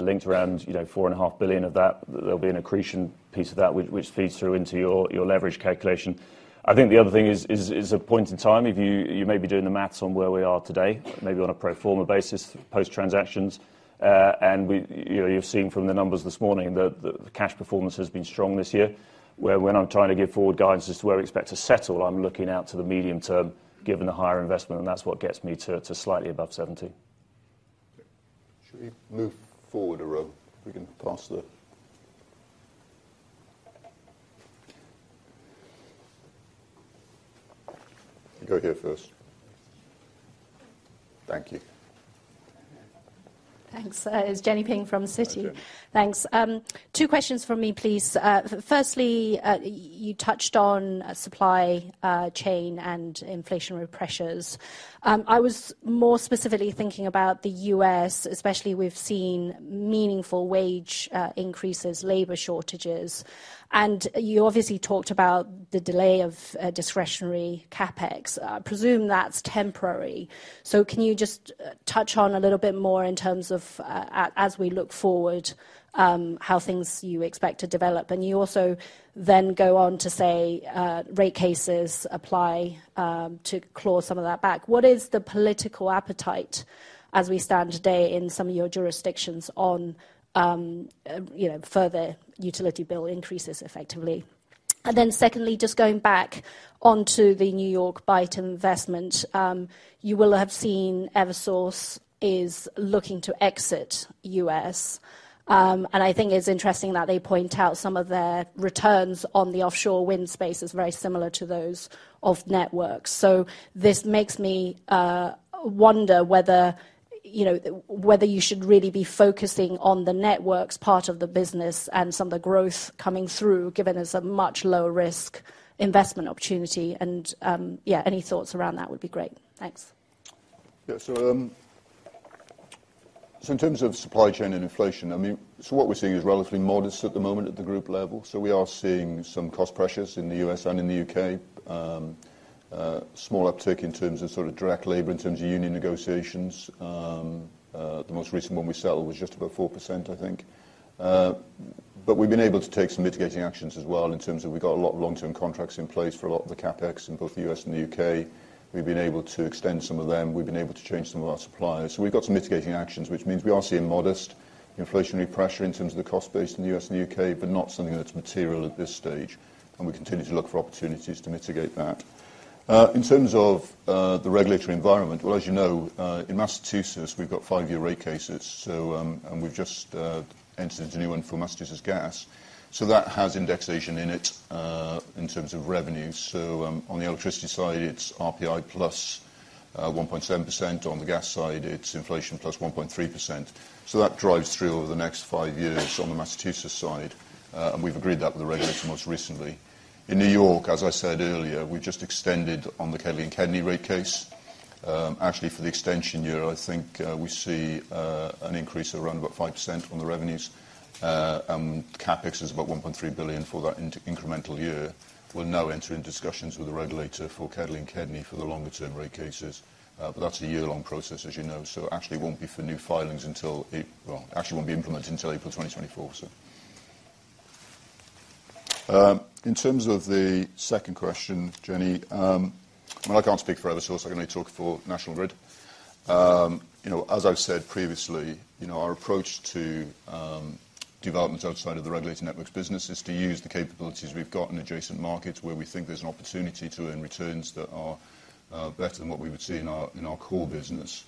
linked around, you know, 4.5 billion of that. There'll be an accretion piece of that which feeds through into your leverage calculation. I think the other thing is a point in time. If you may be doing the math on where we are today, maybe on a pro forma basis, post transactions. You know, you've seen from the numbers this morning that the cash performance has been strong this year, where when I'm trying to give forward guidance as to where we expect to settle, I'm looking out to the medium term, given the higher investment, and that's what gets me to slightly above 70. Should we move forward a row? Go here first. Thank you. Thanks. It's Jenny Ping from Citi. Hi, Jenny. Thanks. Two questions from me, please. Firstly, you touched on supply chain and inflationary pressures. I was more specifically thinking about the US, especially we've seen meaningful wage increases, labor shortages. You obviously talked about the delay of discretionary CapEx. I presume that's temporary. Can you just touch on a little bit more in terms of, as we look forward, how things you expect to develop? You also then go on to say rate cases apply to claw some of that back. What is the political appetite as we stand today in some of your jurisdictions on, you know, further utility bill increases effectively? Secondly, just going back onto the New York Bight investment, you will have seen Eversource is looking to exit US. I think it's interesting that they point out some of their returns on the offshore wind space is very similar to those of networks. This makes me wonder whether you should really be focusing on the networks part of the business and some of the growth coming through, given it's a much lower risk investment opportunity. Yeah, any thoughts around that would be great. Thanks. Yeah. In terms of supply chain and inflation, I mean, what we're seeing is relatively modest at the moment at the group level. We are seeing some cost pressures in the US and in the UK. A small uptick in terms of sort of direct labor, in terms of union negotiations. The most recent one we settled was just about 4%, I think. But we've been able to take some mitigating actions as well in terms of we got a lot of long-term contracts in place for a lot of the CapEx in both the US and the UK. We've been able to extend some of them. We've been able to change some of our suppliers. We've got some mitigating actions, which means we are seeing modest inflationary pressure in terms of the cost base in the US and UK, but not something that's material at this stage, and we continue to look for opportunities to mitigate that. In terms of the regulatory environment, well, as you know, in Massachusetts, we've got five-year rate cases. We've just entered into a new one for Massachusetts Gas. That has indexation in it in terms of revenue. On the electricity side, it's RPI plus 1.7%. On the gas side, it's inflation plus 1.3%. That drives through over the next five years on the Massachusetts side, and we've agreed that with the regulator most recently. In New York, as I said earlier, we've just extended on the KEDLI and KEDNY rate case. Actually for the extension year, I think, we see an increase of around about 5% on the revenues. CapEx is about $1.3 billion for that incremental year. We'll now enter in discussions with the regulator for KEDLI and KEDNY for the longer term rate cases. But that's a year-long process, as you know. Actually it won't be implemented until April 2024. In terms of the second question, Jenny, well I can't speak for Eversource. I can only talk for National Grid. You know, as I've said previously, you know, our approach to development outside of the regulated networks business is to use the capabilities we've got in adjacent markets where we think there's an opportunity to earn returns that are better than what we would see in our core business.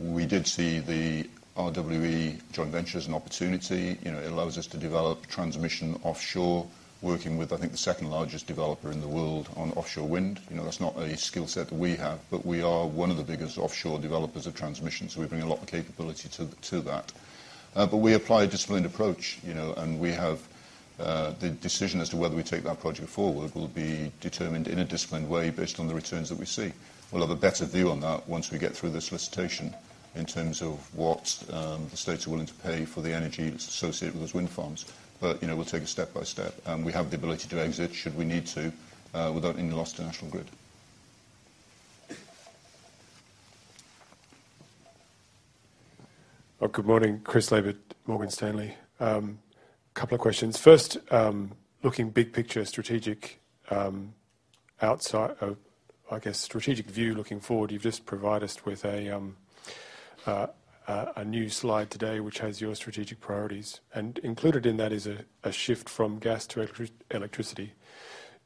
We did see the RWE joint venture as an opportunity. You know, it allows us to develop transmission offshore, working with I think the second-largest developer in the world on offshore wind. You know, that's not a skill set that we have, but we are one of the biggest offshore developers of transmission, so we bring a lot of capability to that. We apply a disciplined approach, you know, and we have the decision as to whether we take that project forward will be determined in a disciplined way based on the returns that we see. We'll have a better view on that once we get through the solicitation in terms of what the states are willing to pay for the energy that's associated with those wind farms. You know, we'll take it step by step. We have the ability to exit should we need to, without any loss to National Grid. Well, good morning. Chris Mayfield, Morgan Stanley. Couple of questions. First, looking big picture strategic, outside of, I guess, strategic view looking forward. You've just provided us with a new slide today which has your strategic priorities, and included in that is a shift from gas to electricity.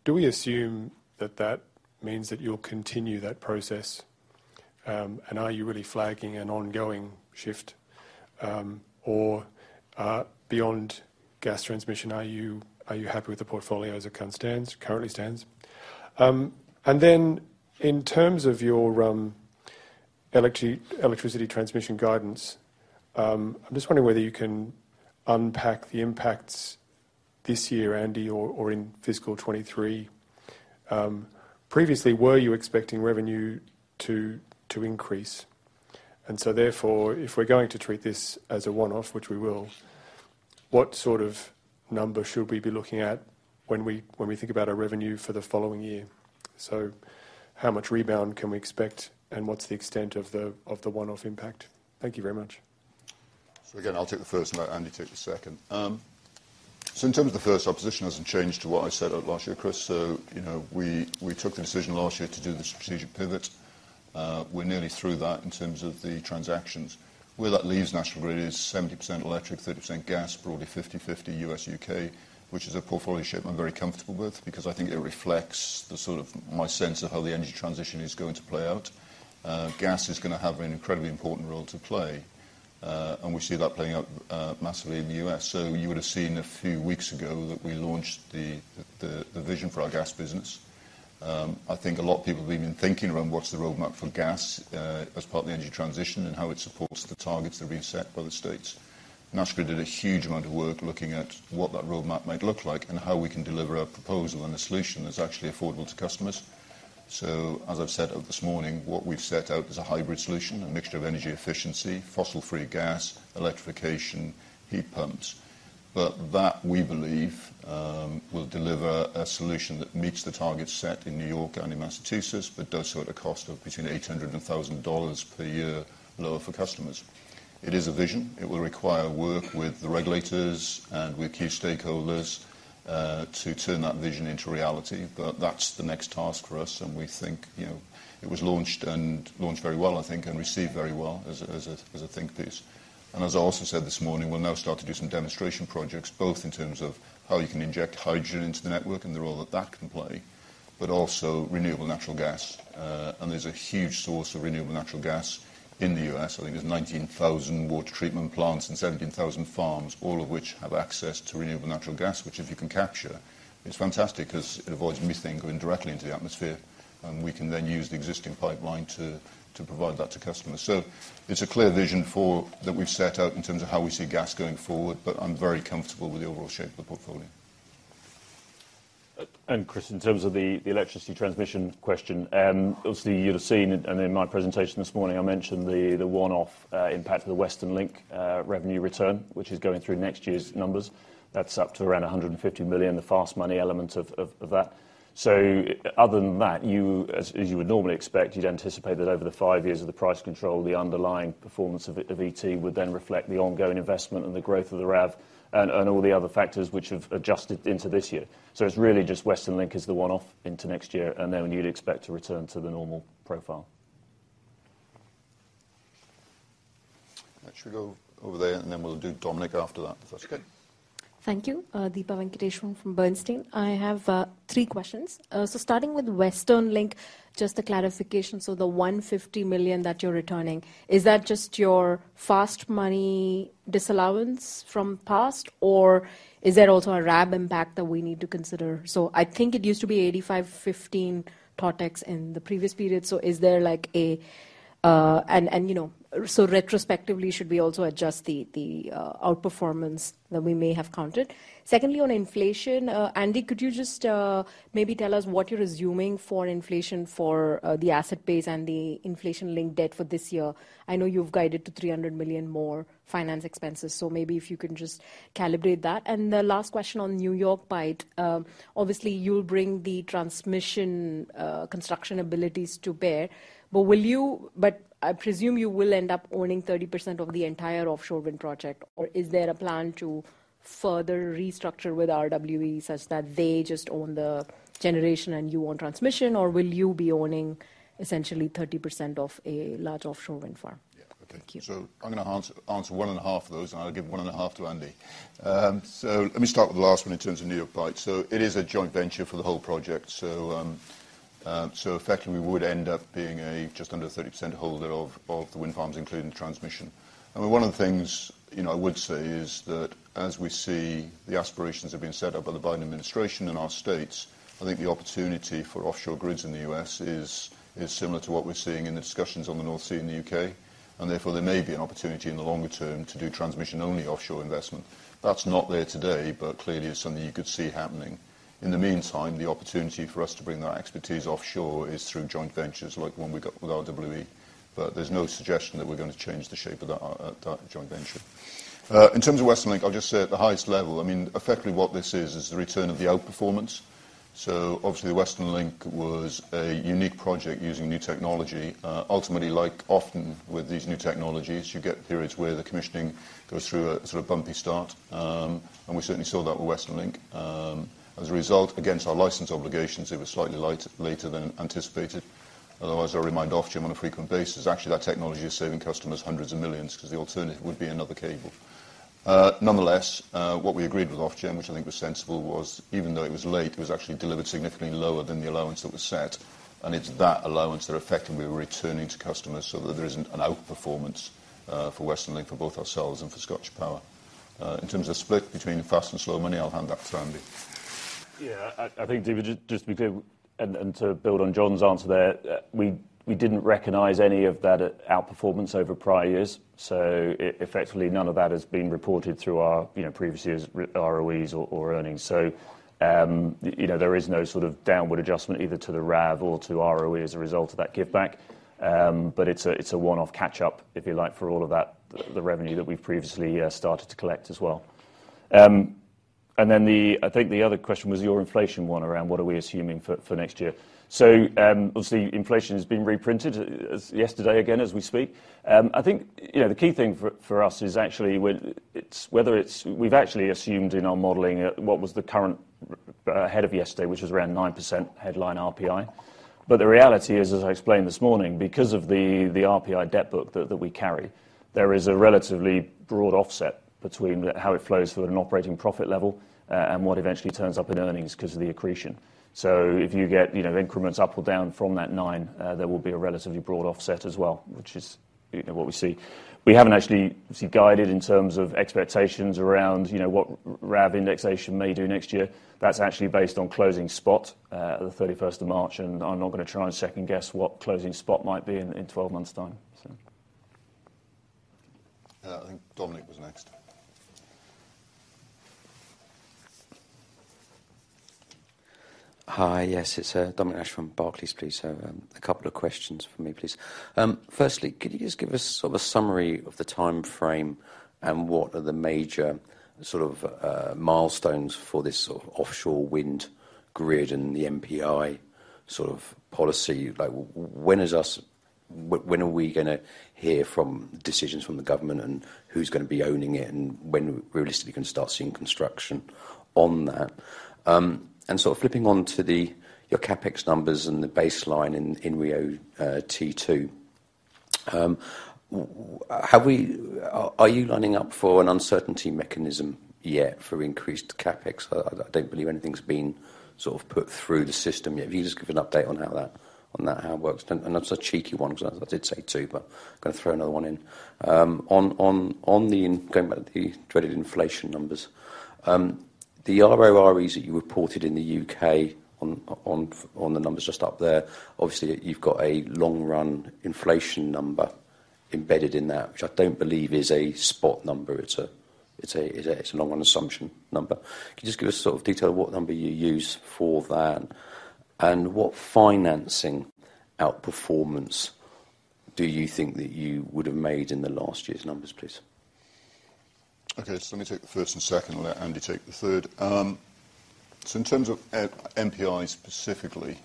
Do we assume that that means that you'll continue that process? And are you really flagging an ongoing shift, or beyond gas transmission, are you happy with the portfolio as it kind of stands? And then in terms of your electricity transmission guidance, I'm just wondering whether you can unpack the impacts this year, Andy, or in fiscal 2023. Previously, were you expecting revenue to increase? Therefore, if we're going to treat this as a one-off, which we will, what sort of number should we be looking at when we think about our revenue for the following year? How much rebound can we expect, and what's the extent of the one-off impact? Thank you very much. Again, I'll take the first and let Andy take the second. In terms of the first, our position hasn't changed to what I said last year, Chris. You know, we took the decision last year to do the strategic pivot. We're nearly through that in terms of the transactions. Where that leaves National Grid is 70% electric, 30% gas, broadly 50/50 U.S., U.K., which is a portfolio shape I'm very comfortable with because I think it reflects the sort of my sense of how the energy transition is going to play out. Gas is gonna have an incredibly important role to play, and we see that playing out, massively in the U.S. You would have seen a few weeks ago that we launched the vision for our gas business. I think a lot of people have been thinking around what's the roadmap for gas, as part of the energy transition and how it supports the targets that we've set by the states. National Grid did a huge amount of work looking at what that roadmap might look like and how we can deliver a proposal and a solution that's actually affordable to customers. As I've said this morning, what we've set out is a hybrid solution, a mixture of energy efficiency, fossil-free gas, electrification, heat pumps. That, we believe, will deliver a solution that meets the targets set in New York and in Massachusetts, but does so at a cost of between $800-$1,000 per year lower for customers. It is a vision. It will require work with the regulators and with key stakeholders to turn that vision into reality, but that's the next task for us, and we think, you know, it was launched very well, I think, and received very well as a think piece. As I also said this morning, we'll now start to do some demonstration projects, both in terms of how you can inject hydrogen into the network and the role that that can play, but also renewable natural gas. There's a huge source of renewable natural gas in the US. I think there's 19,000 water treatment plants and 17,000 farms, all of which have access to renewable natural gas, which if you can capture, it's fantastic 'cause it avoids methane going directly into the atmosphere, and we can then use the existing pipeline to provide that to customers. It's a clear vision for that we've set out in terms of how we see gas going forward, but I'm very comfortable with the overall shape of the portfolio. Chris, in terms of the electricity transmission question, obviously you'd have seen, in my presentation this morning I mentioned the one-off impact of the Western Link revenue return, which is going through next year's numbers. That's up to around 150 million, the fast money element of that. Other than that, as you would normally expect, you'd anticipate that over the five years of the price control, the underlying performance of ET would then reflect the ongoing investment and the growth of the RAV and all the other factors which have adjusted into this year. It's really just Western Link is the one-off into next year, and then you'd expect to return to the normal profile. Let you go over there, and then we'll do Dominic after that if that's okay. Thank you. Deepa Venkateswaran from Bernstein. I have three questions. Starting with Western Link, just a clarification. The 150 million that you're returning, is that just your fast money disallowance from past, or is there also a RAB impact that we need to consider? I think it used to be 85/15 TotEx in the previous period. Retrospectively, should we also adjust the outperformance that we may have counted? Secondly, on inflation, Andy, could you just maybe tell us what you're assuming for inflation for the asset base and the inflation-linked debt for this year? I know you've guided to 300 million more finance expenses, so maybe if you can just calibrate that. The last question on New York Bight. Obviously you'll bring the transmission construction abilities to bear, but I presume you will end up owning 30% of the entire offshore wind project. Or is there a plan to further restructure with RWE such that they just own the generation and you own transmission, or will you be owning essentially 30% of a large offshore wind farm? Yeah. Okay. Thank you. I'm gonna answer one and a half of those, and I'll give one and a half to Andy. Let me start with the last one in terms of New York Bight. It is a joint venture for the whole project. Effectively we would end up being a just under 30% holder of the wind farms, including the transmission. I mean, one of the things, you know, I would say is that as we see the aspirations have been set up by the Biden administration in our states, I think the opportunity for offshore grids in the US is similar to what we're seeing in the discussions on the North Sea and the UK. Therefore, there may be an opportunity in the longer term to do transmission-only offshore investment. That's not there today, but clearly it's something you could see happening. In the meantime, the opportunity for us to bring that expertise offshore is through joint ventures like the one we got with RWE. There's no suggestion that we're gonna change the shape of that joint venture. In terms of Western Link, I'll just say at the highest level, I mean, effectively what this is the return of the outperformance. Obviously Western Link was a unique project using new technology. Ultimately, like often with these new technologies, you get periods where the commissioning goes through a sort of bumpy start. We certainly saw that with Western Link. As a result, against our license obligations, it was slightly later than anticipated. Otherwise, I remind Ofgem on a frequent basis, actually, that technology is saving customers hundreds of millions GBP because the alternative would be another cable. Nonetheless, what we agreed with Ofgem, which I think was sensible, was even though it was late, it was actually delivered significantly lower than the allowance that was set. It's that allowance that effectively we're returning to customers so that there isn't an outperformance for Western Link for both ourselves and for ScottishPower. In terms of split between fast and slow money, I'll hand that to Andy. Yeah. I think, Deepa, just be clear and to build on John's answer there, we didn't recognize any of that outperformance over prior years. Effectively none of that has been reported through our previous years' ROEs or earnings. You know, there is no sort of downward adjustment either to the RAV or to ROE as a result of that giveback. But it's a one-off catch-up, if you like, for all of that, the revenue that we've previously started to collect as well. Then I think the other question was your inflation one around what are we assuming for next year. Obviously inflation has been reported as of yesterday again as we speak. I think, you know, the key thing for us is actually we've actually assumed in our modeling at what was the current RPI ahead of yesterday, which was around 9% headline RPI. The reality is, as I explained this morning, because of the RPI debt book that we carry, there is a relatively broad offset between how it flows through an operating profit level, and what eventually turns up in earnings because of the accretion. If you get, you know, increments up or down from that nine, there will be a relatively broad offset as well, which is, you know, what we see. We haven't actually sort of guided in terms of expectations around, you know, what RAV indexation may do next year. That's actually based on closing spot at the 31st of March, and I'm not gonna try and second-guess what closing spot might be in 12 months' time. I think Dominic was next. Hi. Yes, it's Dominic Nash from Barclays, please. A couple of questions from me, please. Firstly, could you just give us sort of a summary of the timeframe and what are the major sort of milestones for this sort of offshore wind grid and the MPI sort of policy? Like when are we gonna hear decisions from the government, and who's gonna be owning it, and when we're realistically gonna start seeing construction on that? And sort of flipping on to your CapEx numbers and the baseline in RIIO T2, are you lining up for an uncertainty mechanism yet for increased CapEx? I don't believe anything's been sort of put through the system yet. If you could just give an update on that, how it works. That's a cheeky one as I did say two, but gonna throw another one in. Going back to the dreaded inflation numbers, the RORE that you reported in the UK on the numbers just up there, obviously you've got a long run inflation number embedded in that, which I don't believe is a spot number. It's a long run assumption number. Can you just give us sort of detail what number you use for that? What financing outperformance do you think that you would have made in the last year's numbers, please? Okay. Let me take the first and second, and let Andy take the third. In terms of MPI specifically,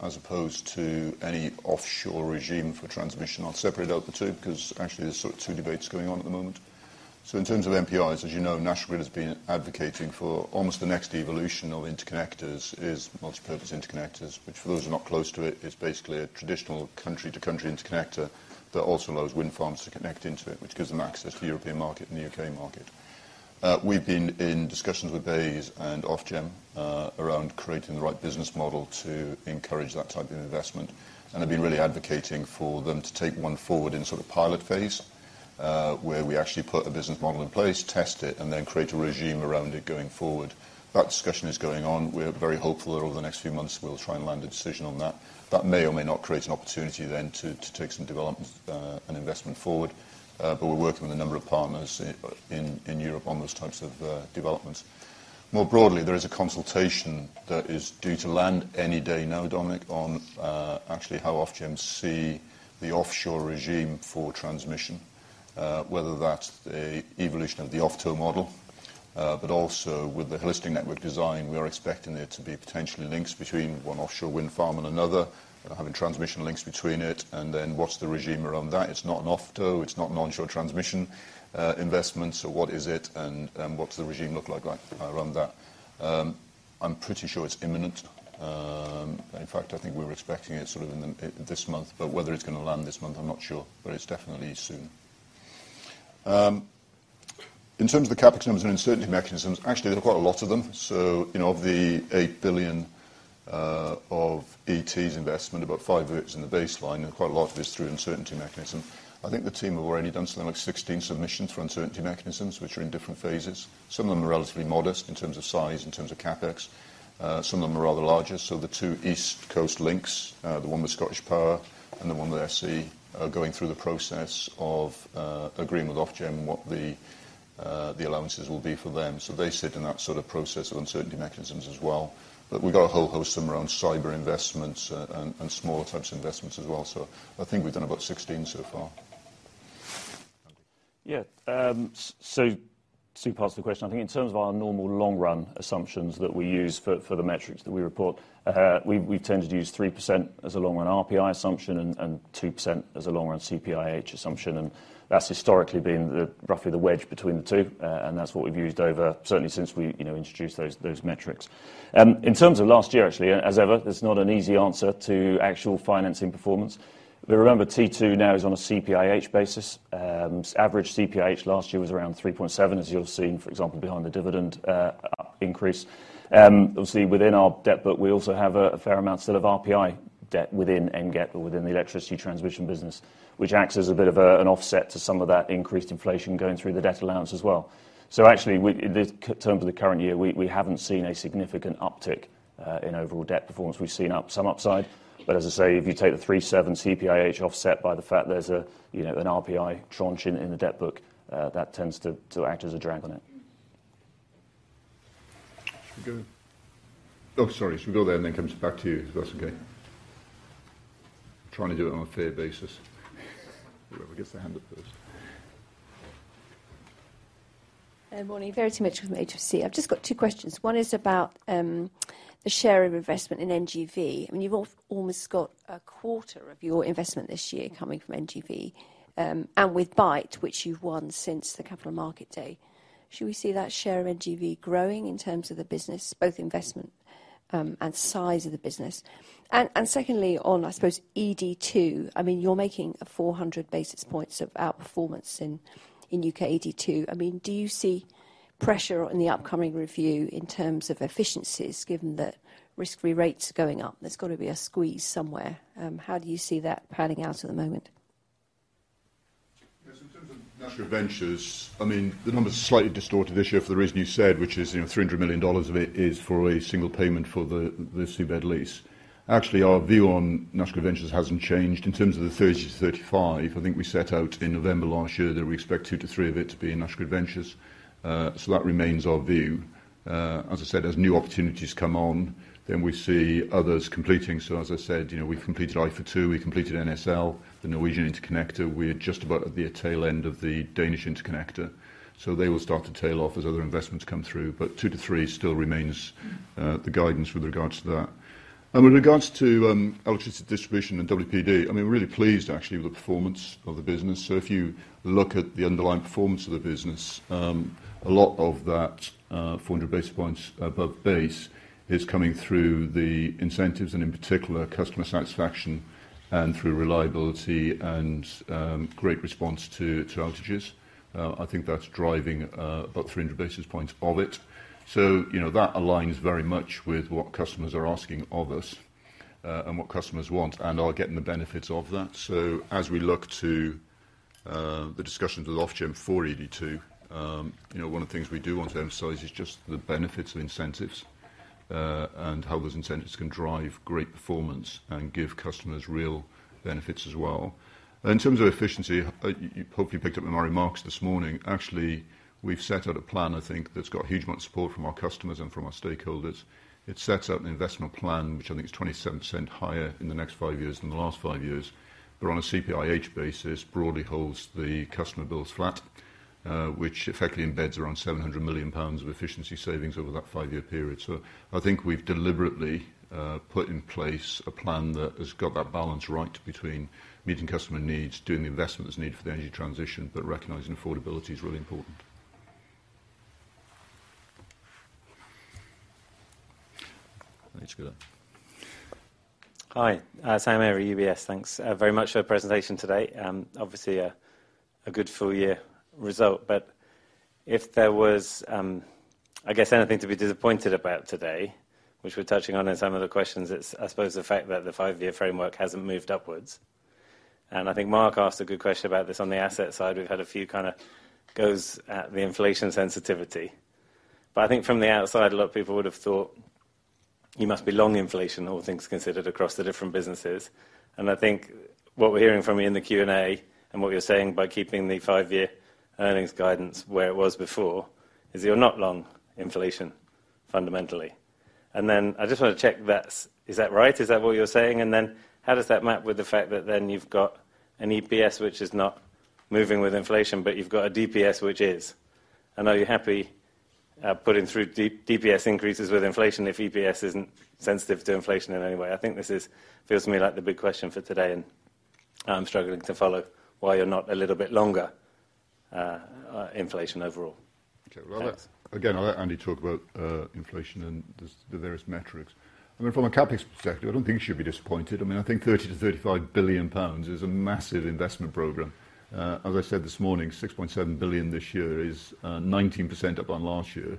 as opposed to any offshore regime for transmission, I'll separate out the two because actually there's sort of two debates going on at the moment. In terms of MPIs, as you know, National Grid has been advocating for almost the next evolution of interconnectors is multipurpose interconnectors, which for those who are not close to it's basically a traditional country-to-country interconnector that also allows wind farms to connect into it, which gives them access to the European market and the UK market. We've been in discussions with BEIS and Ofgem around creating the right business model to encourage that type of investment and have been really advocating for them to take one forward in sort of pilot phase, where we actually put a business model in place, test it, and then create a regime around it going forward. That discussion is going on. We're very hopeful that over the next few months, we'll try and land a decision on that. That may or may not create an opportunity then to take some development and investment forward. We're working with a number of partners in Europe on those types of developments. More broadly, there is a consultation that is due to land any day now, Dominic, on, actually how Ofgem see the offshore regime for transmission, whether that's an evolution of the OFTO model. But also with the Holistic Network Design, we are expecting there to be potentially links between one offshore wind farm and another, having transmission links between it and then what's the regime around that. It's not an OFTO, it's not an onshore transmission investment, so what is it and what does the regime look like around that? I'm pretty sure it's imminent. In fact, I think we're expecting it sort of in the this month. Whether it's gonna land this month, I'm not sure, but it's definitely soon. In terms of the CapEx and uncertainty mechanisms, actually there are quite a lot of them. You know, of the 8 billion of ET's investment, about 5 billion of it is in the baseline, and quite a lot of it is through uncertainty mechanism. I think the team have already done something like 16 submissions for uncertainty mechanisms, which are in different phases. Some of them are relatively modest in terms of size, in terms of CapEx. Some of them are rather larger. The two East Coast links, the one with ScottishPower and the one with SE, are going through the process of agreeing with Ofgem what the allowances will be for them. They sit in that sort of process of uncertainty mechanisms as well. We've got a whole host of them around cyber investments and smaller types of investments as well. I think we've done about 16 so far. So two parts to the question. I think in terms of our normal long run assumptions that we use for the metrics that we report, we tend to use 3% as a long run RPI assumption and 2% as a long run CPIH assumption. That's historically been roughly the wedge between the two. And that's what we've used over certainly since we you know introduced those metrics. In terms of last year actually, as ever, there's not an easy answer to actual financing performance. Remember T2 now is on a CPIH basis. Average CPIH last year was around 3.7, as you'll have seen, for example, behind the dividend increase. Obviously within our debt, but we also have a fair amount still of RPI debt within NGET or within the electricity transmission business, which acts as a bit of an offset to some of that increased inflation going through the debt allowance as well. Actually, in the key terms of the current year, we haven't seen a significant uptick in overall debt performance. We've seen some upside, but as I say, if you take the 3.7% CPIH offset by the fact there's, you know, an RPI tranche in the debt book, that tends to act as a drag on it. Oh, sorry. Should we go there and then come back to you? That's okay. Trying to do it on a fair basis. Whoever gets their hand up first. Morning. Verity Mitchell from HSBC. I've just got two questions. One is about the share of investment in NGV. I mean, you've almost got a quarter of your investment this year coming from NGV, and with New York Bight, which you've won since the capital market day. Should we see that share of NGV growing in terms of the business, both investment and size of the business? And secondly, on I suppose ED2, I mean, you're making 400 basis points of outperformance in UK ED2. I mean, do you see pressure on the upcoming review in terms of efficiencies given that risk-free rates are going up? There's got to be a squeeze somewhere. How do you see that panning out at the moment? Yes, in terms of National Ventures, I mean, the number's slightly distorted this year for the reason you said, which is, you know, $300 million of it is for a single payment for the seabed lease. Actually, our view on National Ventures hasn't changed. In terms of the 30-35, I think we set out in November last year that we expect 2-3 of it to be in National Ventures. That remains our view. As I said, as new opportunities come on, then we see others completing. As I said, you know, we've completed IFA2, we completed NSL, the Norwegian Interconnector. We're just about at the tail end of the Viking Link. They will start to tail off as other investments come through, but 2-3 still remains the guidance with regards to that. With regards to electricity distribution and WPD, I mean, we're really pleased actually with the performance of the business. If you look at the underlying performance of the business, a lot of that 400 basis points above base is coming through the incentives and in particular customer satisfaction and through reliability and great response to outages. I think that's driving about 300 basis points of it. You know, that aligns very much with what customers are asking of us and what customers want and are getting the benefits of that. As we look to the discussions with Ofgem for ED2, you know, one of the things we do want to emphasize is just the benefits of incentives and how those incentives can drive great performance and give customers real benefits as well. In terms of efficiency, you hopefully picked up in my remarks this morning, actually, we've set out a plan, I think that's got a huge amount of support from our customers and from our stakeholders. It sets out an investment plan which I think is 27% higher in the next five years than the last five years, but on a CPIH basis, broadly holds the customer bills flat, which effectively embeds around 700 million pounds of efficiency savings over that five-year period. I think we've deliberately put in place a plan that has got that balance right between meeting customer needs, doing the investment that's needed for the energy transition, but recognizing affordability is really important. Thanks for that. Hi, Sam Arie, UBS. Thanks very much for the presentation today. Obviously a good full year result. If there was, I guess anything to be disappointed about today, which we're touching on in some of the questions, it's I suppose the fact that the five-year framework hasn't moved upwards. I think Mark asked a good question about this on the asset side. We've had a few kinda goes at the inflation sensitivity. I think from the outside, a lot of people would have thought you must be long inflation, all things considered, across the different businesses. I think what we're hearing from you in the Q&A and what you're saying by keeping the five-year earnings guidance where it was before, is you're not long inflation fundamentally. I just want to check. Is that right? Is that what you're saying? How does that map with the fact that then you've got an EPS which is not moving with inflation, but you've got a DPS which is? I know you're happy putting through the DPS increases with inflation if EPS isn't sensitive to inflation in any way. I think feels to me like the big question for today, and I'm struggling to follow why you're not a little bit longer. Inflation overall. Okay. Well, Thanks. Again, I'll let Andy talk about inflation and the various metrics. I mean, from a CapEx perspective, I don't think you should be disappointed. I mean, I think 30 billion-35 billion pounds is a massive investment program. As I said this morning, 6.7 billion this year is 19% up on last year.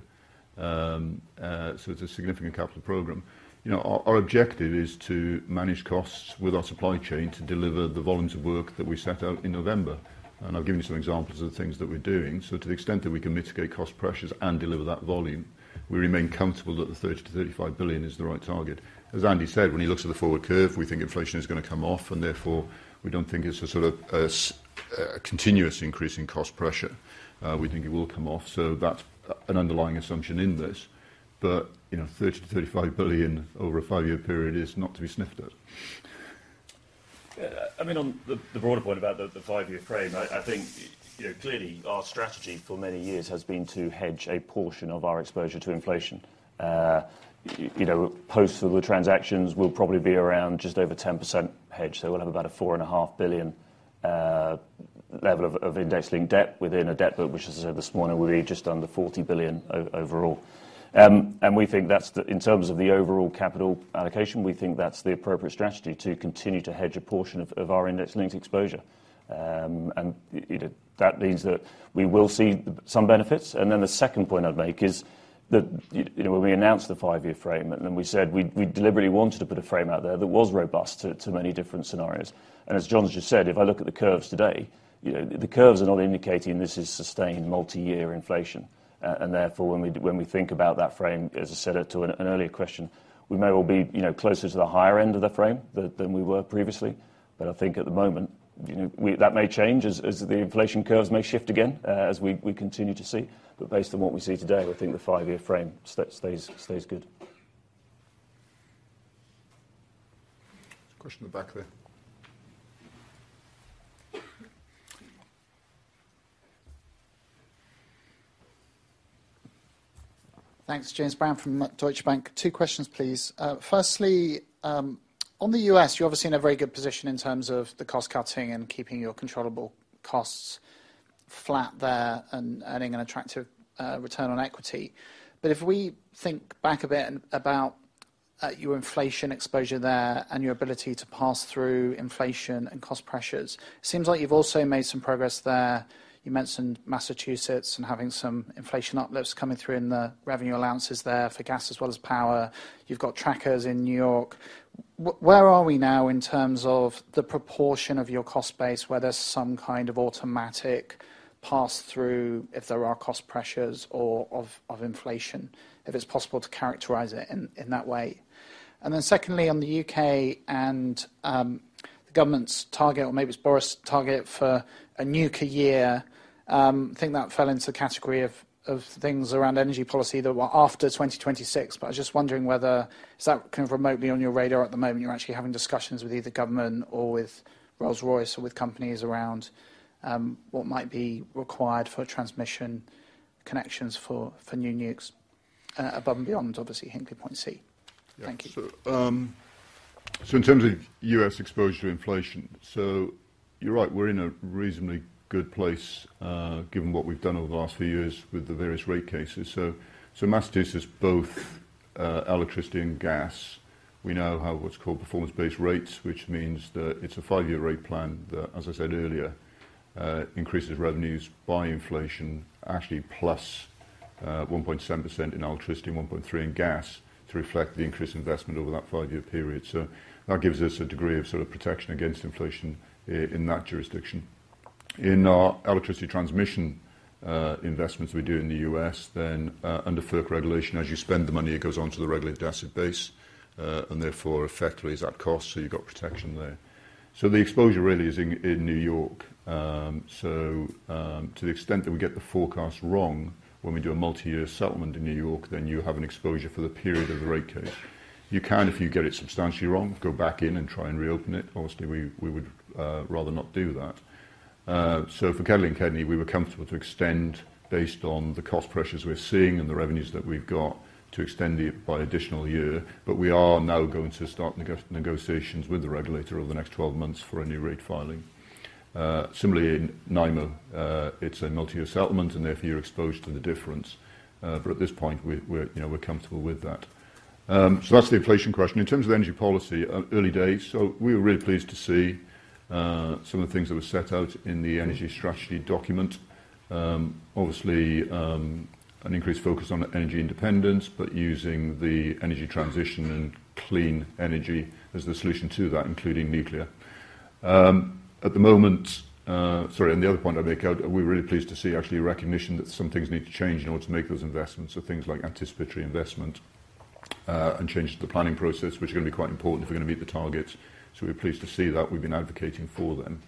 It's a significant capital program. You know, our objective is to manage costs with our supply chain to deliver the volumes of work that we set out in November. I've given you some examples of the things that we're doing. To the extent that we can mitigate cost pressures and deliver that volume, we remain comfortable that the 30 billion-35 billion is the right target. As Andy said, when he looks at the forward curve, we think inflation is gonna come off, and therefore, we don't think it's a sort of a continuous increase in cost pressure. We think it will come off, so that's an underlying assumption in this. You know, 30 billion-35 billion over a five-year period is not to be sniffed at. Yeah, I mean, on the broader point about the five-year frame, I think, you know, clearly our strategy for many years has been to hedge a portion of our exposure to inflation. You know, post all the transactions, we'll probably be around just over 10% hedged. So we'll have about a 4.5 billion level of index linked debt within a debt book, which as I said this morning, will be just under 40 billion overall. In terms of the overall capital allocation, we think that's the appropriate strategy to continue to hedge a portion of our index linked exposure. You know, that means that we will see some benefits. The second point I'd make is that, you know, when we announced the five-year frame, we said we deliberately wanted to put a frame out there that was robust to many different scenarios. As John's just said, if I look at the curves today, you know, the curves are not indicating this is sustained multi-year inflation. Therefore, when we think about that frame, as I said it to an earlier question, we may well be, you know, closer to the higher end of the frame than we were previously. But I think at the moment, you know, that may change as the inflation curves may shift again, as we continue to see. But based on what we see today, I think the five-year frame stays good. There's a question in the back there. Thanks. James Brand from Deutsche Bank. Two questions, please. Firstly, on the U.S., you're obviously in a very good position in terms of the cost cutting and keeping your controllable costs flat there and earning an attractive return on equity. If we think back a bit and about your inflation exposure there and your ability to pass through inflation and cost pressures, it seems like you've also made some progress there. You mentioned Massachusetts and having some inflation uplifts coming through in the revenue allowances there for gas as well as power. You've got trackers in New York. Where are we now in terms of the proportion of your cost base, where there's some kind of automatic pass-through if there are cost pressures or of inflation, if it's possible to characterize it in that way? Secondly, on the UK and the government's target, or maybe it's Boris' target for a nuke a year, think that fell into the category of things around energy policy that were after 2026. I was just wondering whether is that kind of remotely on your radar at the moment? You're actually having discussions with either government or with Rolls-Royce or with companies around what might be required for transmission connections for new nukes above and beyond, obviously Hinkley Point C. Yeah. Thank you. In terms of U.S. exposure to inflation. You're right, we're in a reasonably good place, given what we've done over the last few years with the various rate cases. Massachusetts, both electricity and gas, we now have what's called performance-based rates, which means that it's a five-year rate plan that, as I said earlier, increases revenues by inflation, actually plus 1.7% in electricity and 1.3% in gas to reflect the increased investment over that five-year period. That gives us a degree of sort of protection against inflation in that jurisdiction. In our electricity transmission investments we do in the U.S., under FERC regulation, as you spend the money, it goes onto the regulated asset base. Therefore effectively is at cost, so you've got protection there. The exposure really is in New York. To the extent that we get the forecast wrong when we do a multi-year settlement in New York, then you have an exposure for the period of the rate case. You can, if you get it substantially wrong, go back in and try and reopen it. Obviously, we would rather not do that. For KEDLI and KEDNY, we were comfortable to extend based on the cost pressures we're seeing and the revenues that we've got to extend it by additional year. We are now going to start negotiations with the regulator over the next 12 months for a new rate filing. Similarly in NIMO, it's a multi-year settlement, and therefore you're exposed to the difference. At this point, you know, we're comfortable with that. That's the inflation question. In terms of energy policy, early days. We were really pleased to see some of the things that were set out in the energy strategy document. Obviously, an increased focus on energy independence, but using the energy transition and clean energy as the solution to that, including nuclear. At the moment, and the other point I'd make, we're really pleased to see actually a recognition that some things need to change in order to make those investments. Things like anticipatory investment and changes to the planning process, which are gonna be quite important if we're gonna meet the targets. We're pleased to see that. We've been advocating for them.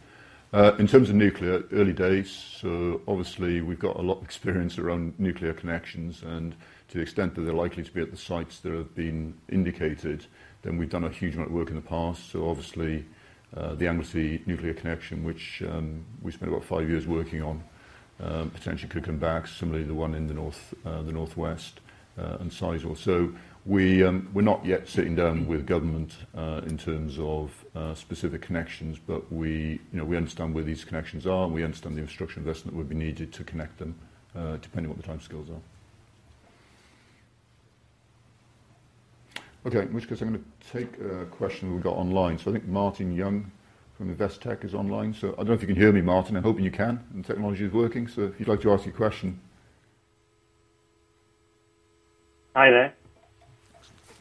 In terms of nuclear, early days. Obviously, we've got a lot of experience around nuclear connections, and to the extent that they're likely to be at the sites that have been indicated, then we've done a huge amount of work in the past. Obviously, the Anglesey nuclear connection, which, we spent about five years working on, potentially could come back. Similarly, the one in the north, the northwest, and Sizewell. We're not yet sitting down with government, in terms of, specific connections, but we, you know, we understand where these connections are and we understand the infrastructure investment that would be needed to connect them, depending what the time scales are. Okay, in which case I'm gonna take a question we've got online. I think Martin Young from Investec is online. I don't know if you can hear me, Martin. I'm hoping you can, and technology is working. If you'd like to ask your question. Hi there.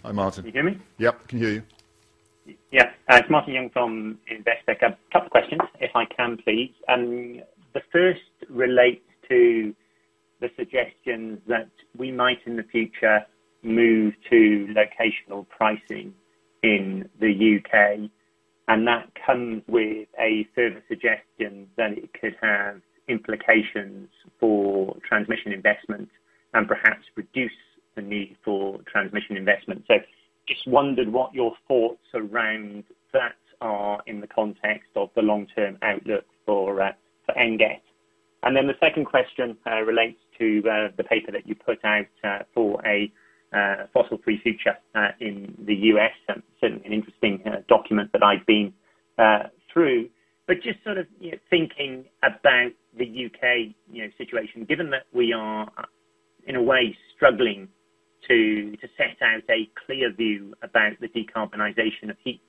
Hi, Martin. Can you hear me? Yep, can hear you. Yeah. It's Martin Young from Investec. A couple questions if I can, please. The first relates to the suggestions that we might in the future move to locational pricing in the UK, and that comes with a further suggestion that it could have implications for transmission investment and perhaps reduce the need for transmission investment. Just wondered what your thoughts around that are in the context of the long-term outlook for NGET. The second question relates to the paper that you put out for a fossil-free future in the US. That's certainly an interesting document that I've been through. Just sort of thinking about the UK, you know, situation, given that we are in a way struggling to set out a clear view about the decarbonization of heat,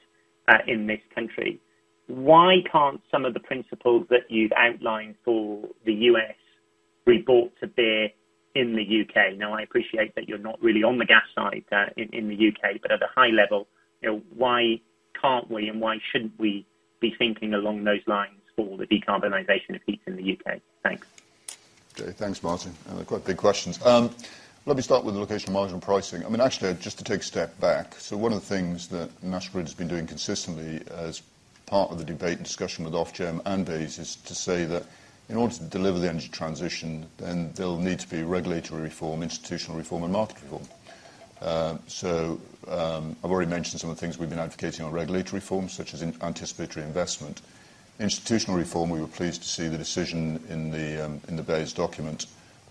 in this country, why can't some of the principles that you've outlined for the US be brought to bear in the UK? Now I appreciate that you're not really on the gas side, in the UK, but at a high level, you know, why can't we and why shouldn't we be thinking along those lines for the decarbonization of heat in the UK? Thanks. Okay. Thanks, Martin. They're quite big questions. Let me start with the locational marginal pricing. I mean, actually just to take a step back. One of the things that National Grid has been doing consistently as part of the debate and discussion with Ofgem and BEIS is to say that in order to deliver the energy transition, then there'll need to be regulatory reform, institutional reform and market reform. I've already mentioned some of the things we've been advocating on regulatory reform, such as an anticipatory investment. Institutional reform, we were pleased to see the decision in the BEIS document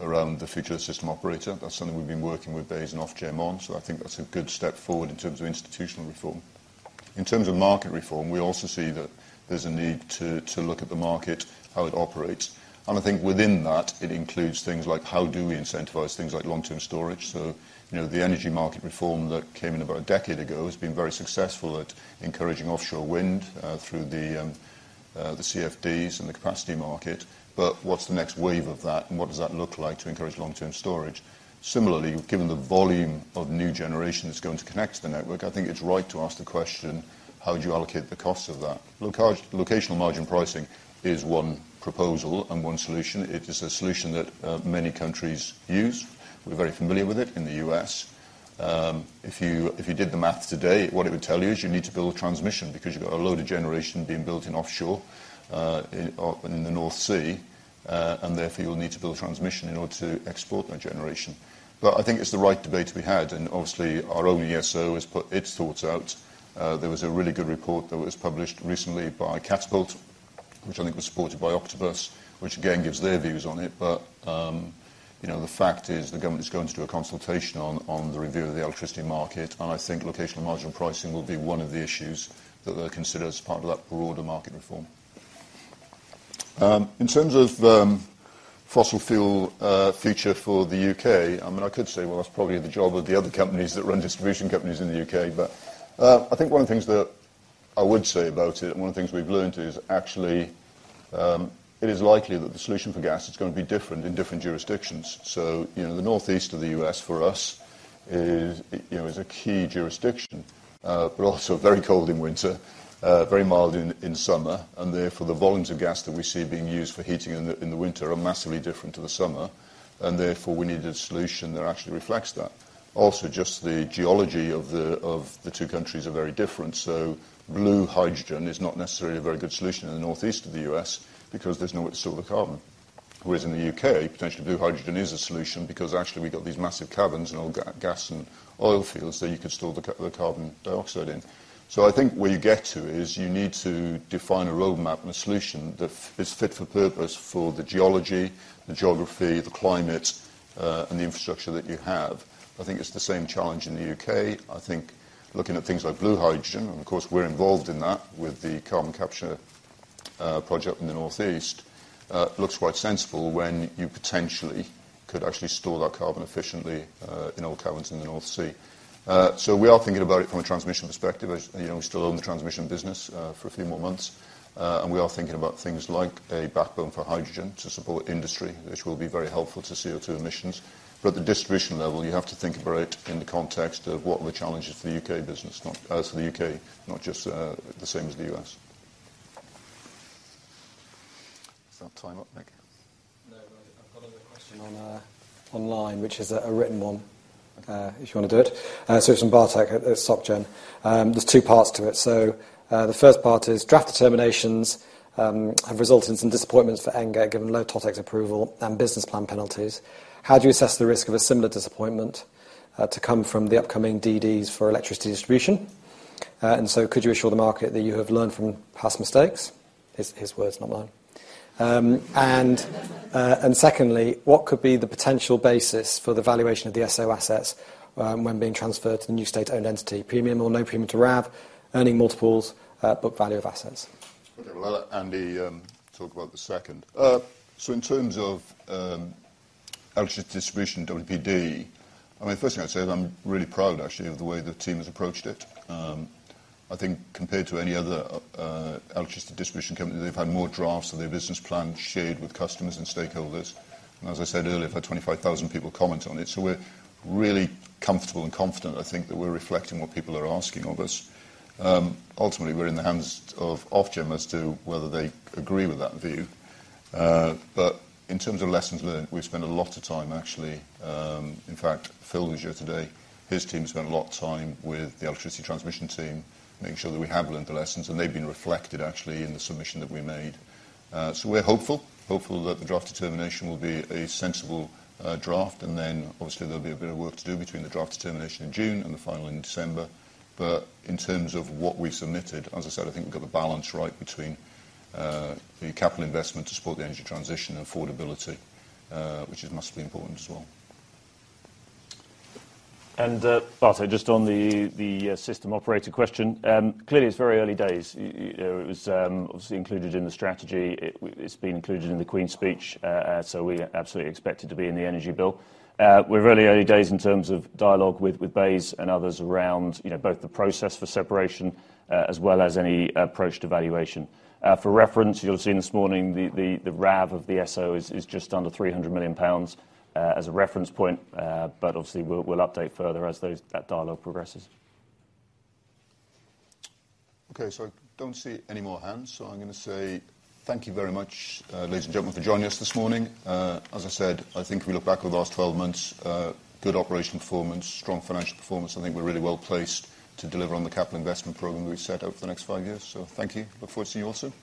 around the future of system operator. That's something we've been working with BEIS and Ofgem on, so I think that's a good step forward in terms of institutional reform. In terms of market reform, we also see that there's a need to look at the market, how it operates, and I think within that it includes things like how do we incentivize things like long-term storage? You know, the energy market reform that came in about a decade ago has been very successful at encouraging offshore wind through the CFDs and the capacity market. But what's the next wave of that, and what does that look like to encourage long-term storage? Similarly, given the volume of new generation that's going to connect to the network, I think it's right to ask the question, how would you allocate the costs of that? Locational Marginal Pricing is one proposal and one solution. It is a solution that many countries use. We're very familiar with it in the U.S. If you did the math today, what it would tell you is you need to build transmission because you've got a load of generation being built in offshore in the North Sea, and therefore you'll need to build transmission in order to export that generation. I think it's the right debate to be had, and obviously our own ESO has put its thoughts out. There was a really good report that was published recently by Catapult, which I think was supported by Octopus, which again gives their views on it. You know, the fact is, the government is going to do a consultation on the review of the electricity market, and I think Locational Marginal Pricing will be one of the issues that they'll consider as part of that broader market reform. In terms of the fossil fuel future for the UK, I mean, I could say, well, that's probably the job of the other companies that run distribution companies in the UK. I think one of the things that I would say about it, and one of the things we've learnt is actually it is likely that the solution for gas is gonna be different in different jurisdictions. You know, the northeast of the US for us is you know is a key jurisdiction, also very cold in winter, very mild in summer, and therefore the volumes of gas that we see being used for heating in the winter are massively different to the summer, and therefore we need a solution that actually reflects that. Also, just the geology of the two countries are very different. Blue hydrogen is not necessarily a very good solution in the northeast of the US because there's nowhere to store the carbon. Whereas in the UK, potentially blue hydrogen is a solution because actually we've got these massive caverns and oil and gas fields that you could store the carbon dioxide in. I think where you get to is you need to define a roadmap and a solution that is fit for purpose for the geology, the geography, the climate, and the infrastructure that you have. I think it's the same challenge in the UK. I think looking at things like blue hydrogen, and of course we're involved in that with the carbon capture project in the northeast, looks quite sensible when you potentially could actually store that carbon efficiently in oil caverns in the North Sea. We are thinking about it from a transmission perspective. As you know, we still own the transmission business for a few more months. We are thinking about things like a backbone for hydrogen to support industry, which will be very helpful to CO2 emissions. At the distribution level, you have to think about it in the context of what are the challenges for the U.K. business, not just the same as the U.S. Is that time up, Nick? No, but I've got another question online, which is a written one, if you wanna do it. It's from Bartek at Soc Gen. There's two parts to it. The first part is draft determinations have resulted in some disappointments for NGET given low TotEx approval and business plan penalties. How do you assess the risk of a similar disappointment to come from the upcoming DDs for electricity distribution? Could you assure the market that you have learned from past mistakes? His words, not mine. Secondly, what could be the potential basis for the valuation of the ESO assets when being transferred to the new state-owned entity? Premium or no premium to RAV, earnings multiples, book value of assets? Okay, well I'll let Andy talk about the second. So in terms of electricity distribution, WPD, I mean, first thing I'd say is I'm really proud actually of the way the team has approached it. I think compared to any other electricity distribution company, they've had more drafts of their business plan shared with customers and stakeholders. As I said earlier, we've had 25,000 people comment on it, so we're really comfortable and confident, I think that we're reflecting what people are asking of us. Ultimately, we're in the hands of Ofgem as to whether they agree with that view. In terms of lessons learned, we've spent a lot of time actually. In fact, Phil was here today. His team's spent a lot of time with the electricity transmission team, making sure that we have learned the lessons, and they've been reflected actually in the submission that we made. We're hopeful that the draft determination will be a sensible draft. Obviously there'll be a bit of work to do between the draft determination in June and the final in December. In terms of what we submitted, as I said, I think we've got the balance right between the capital investment to support the energy transition and affordability, which is massively important as well. Bartek, just on the system operator question. Clearly it's very early days. You know, it was obviously included in the strategy. It's been included in the Queen's Speech, so we absolutely expect it to be in the Energy Bill. We're really early days in terms of dialogue with BEIS and others around, you know, both the process for separation, as well as any approach to valuation. For reference, you'll have seen this morning the RAV of the SO is just under 300 million pounds, as a reference point. Obviously we'll update further as that dialogue progresses. Okay, I don't see any more hands, so I'm gonna say thank you very much, ladies and gentlemen, for joining us this morning. As I said, I think if we look back over the last 12 months, good operational performance, strong financial performance. I think we're really well placed to deliver on the capital investment program we've set out for the next five years. Thank you. Look forward to seeing you all soon.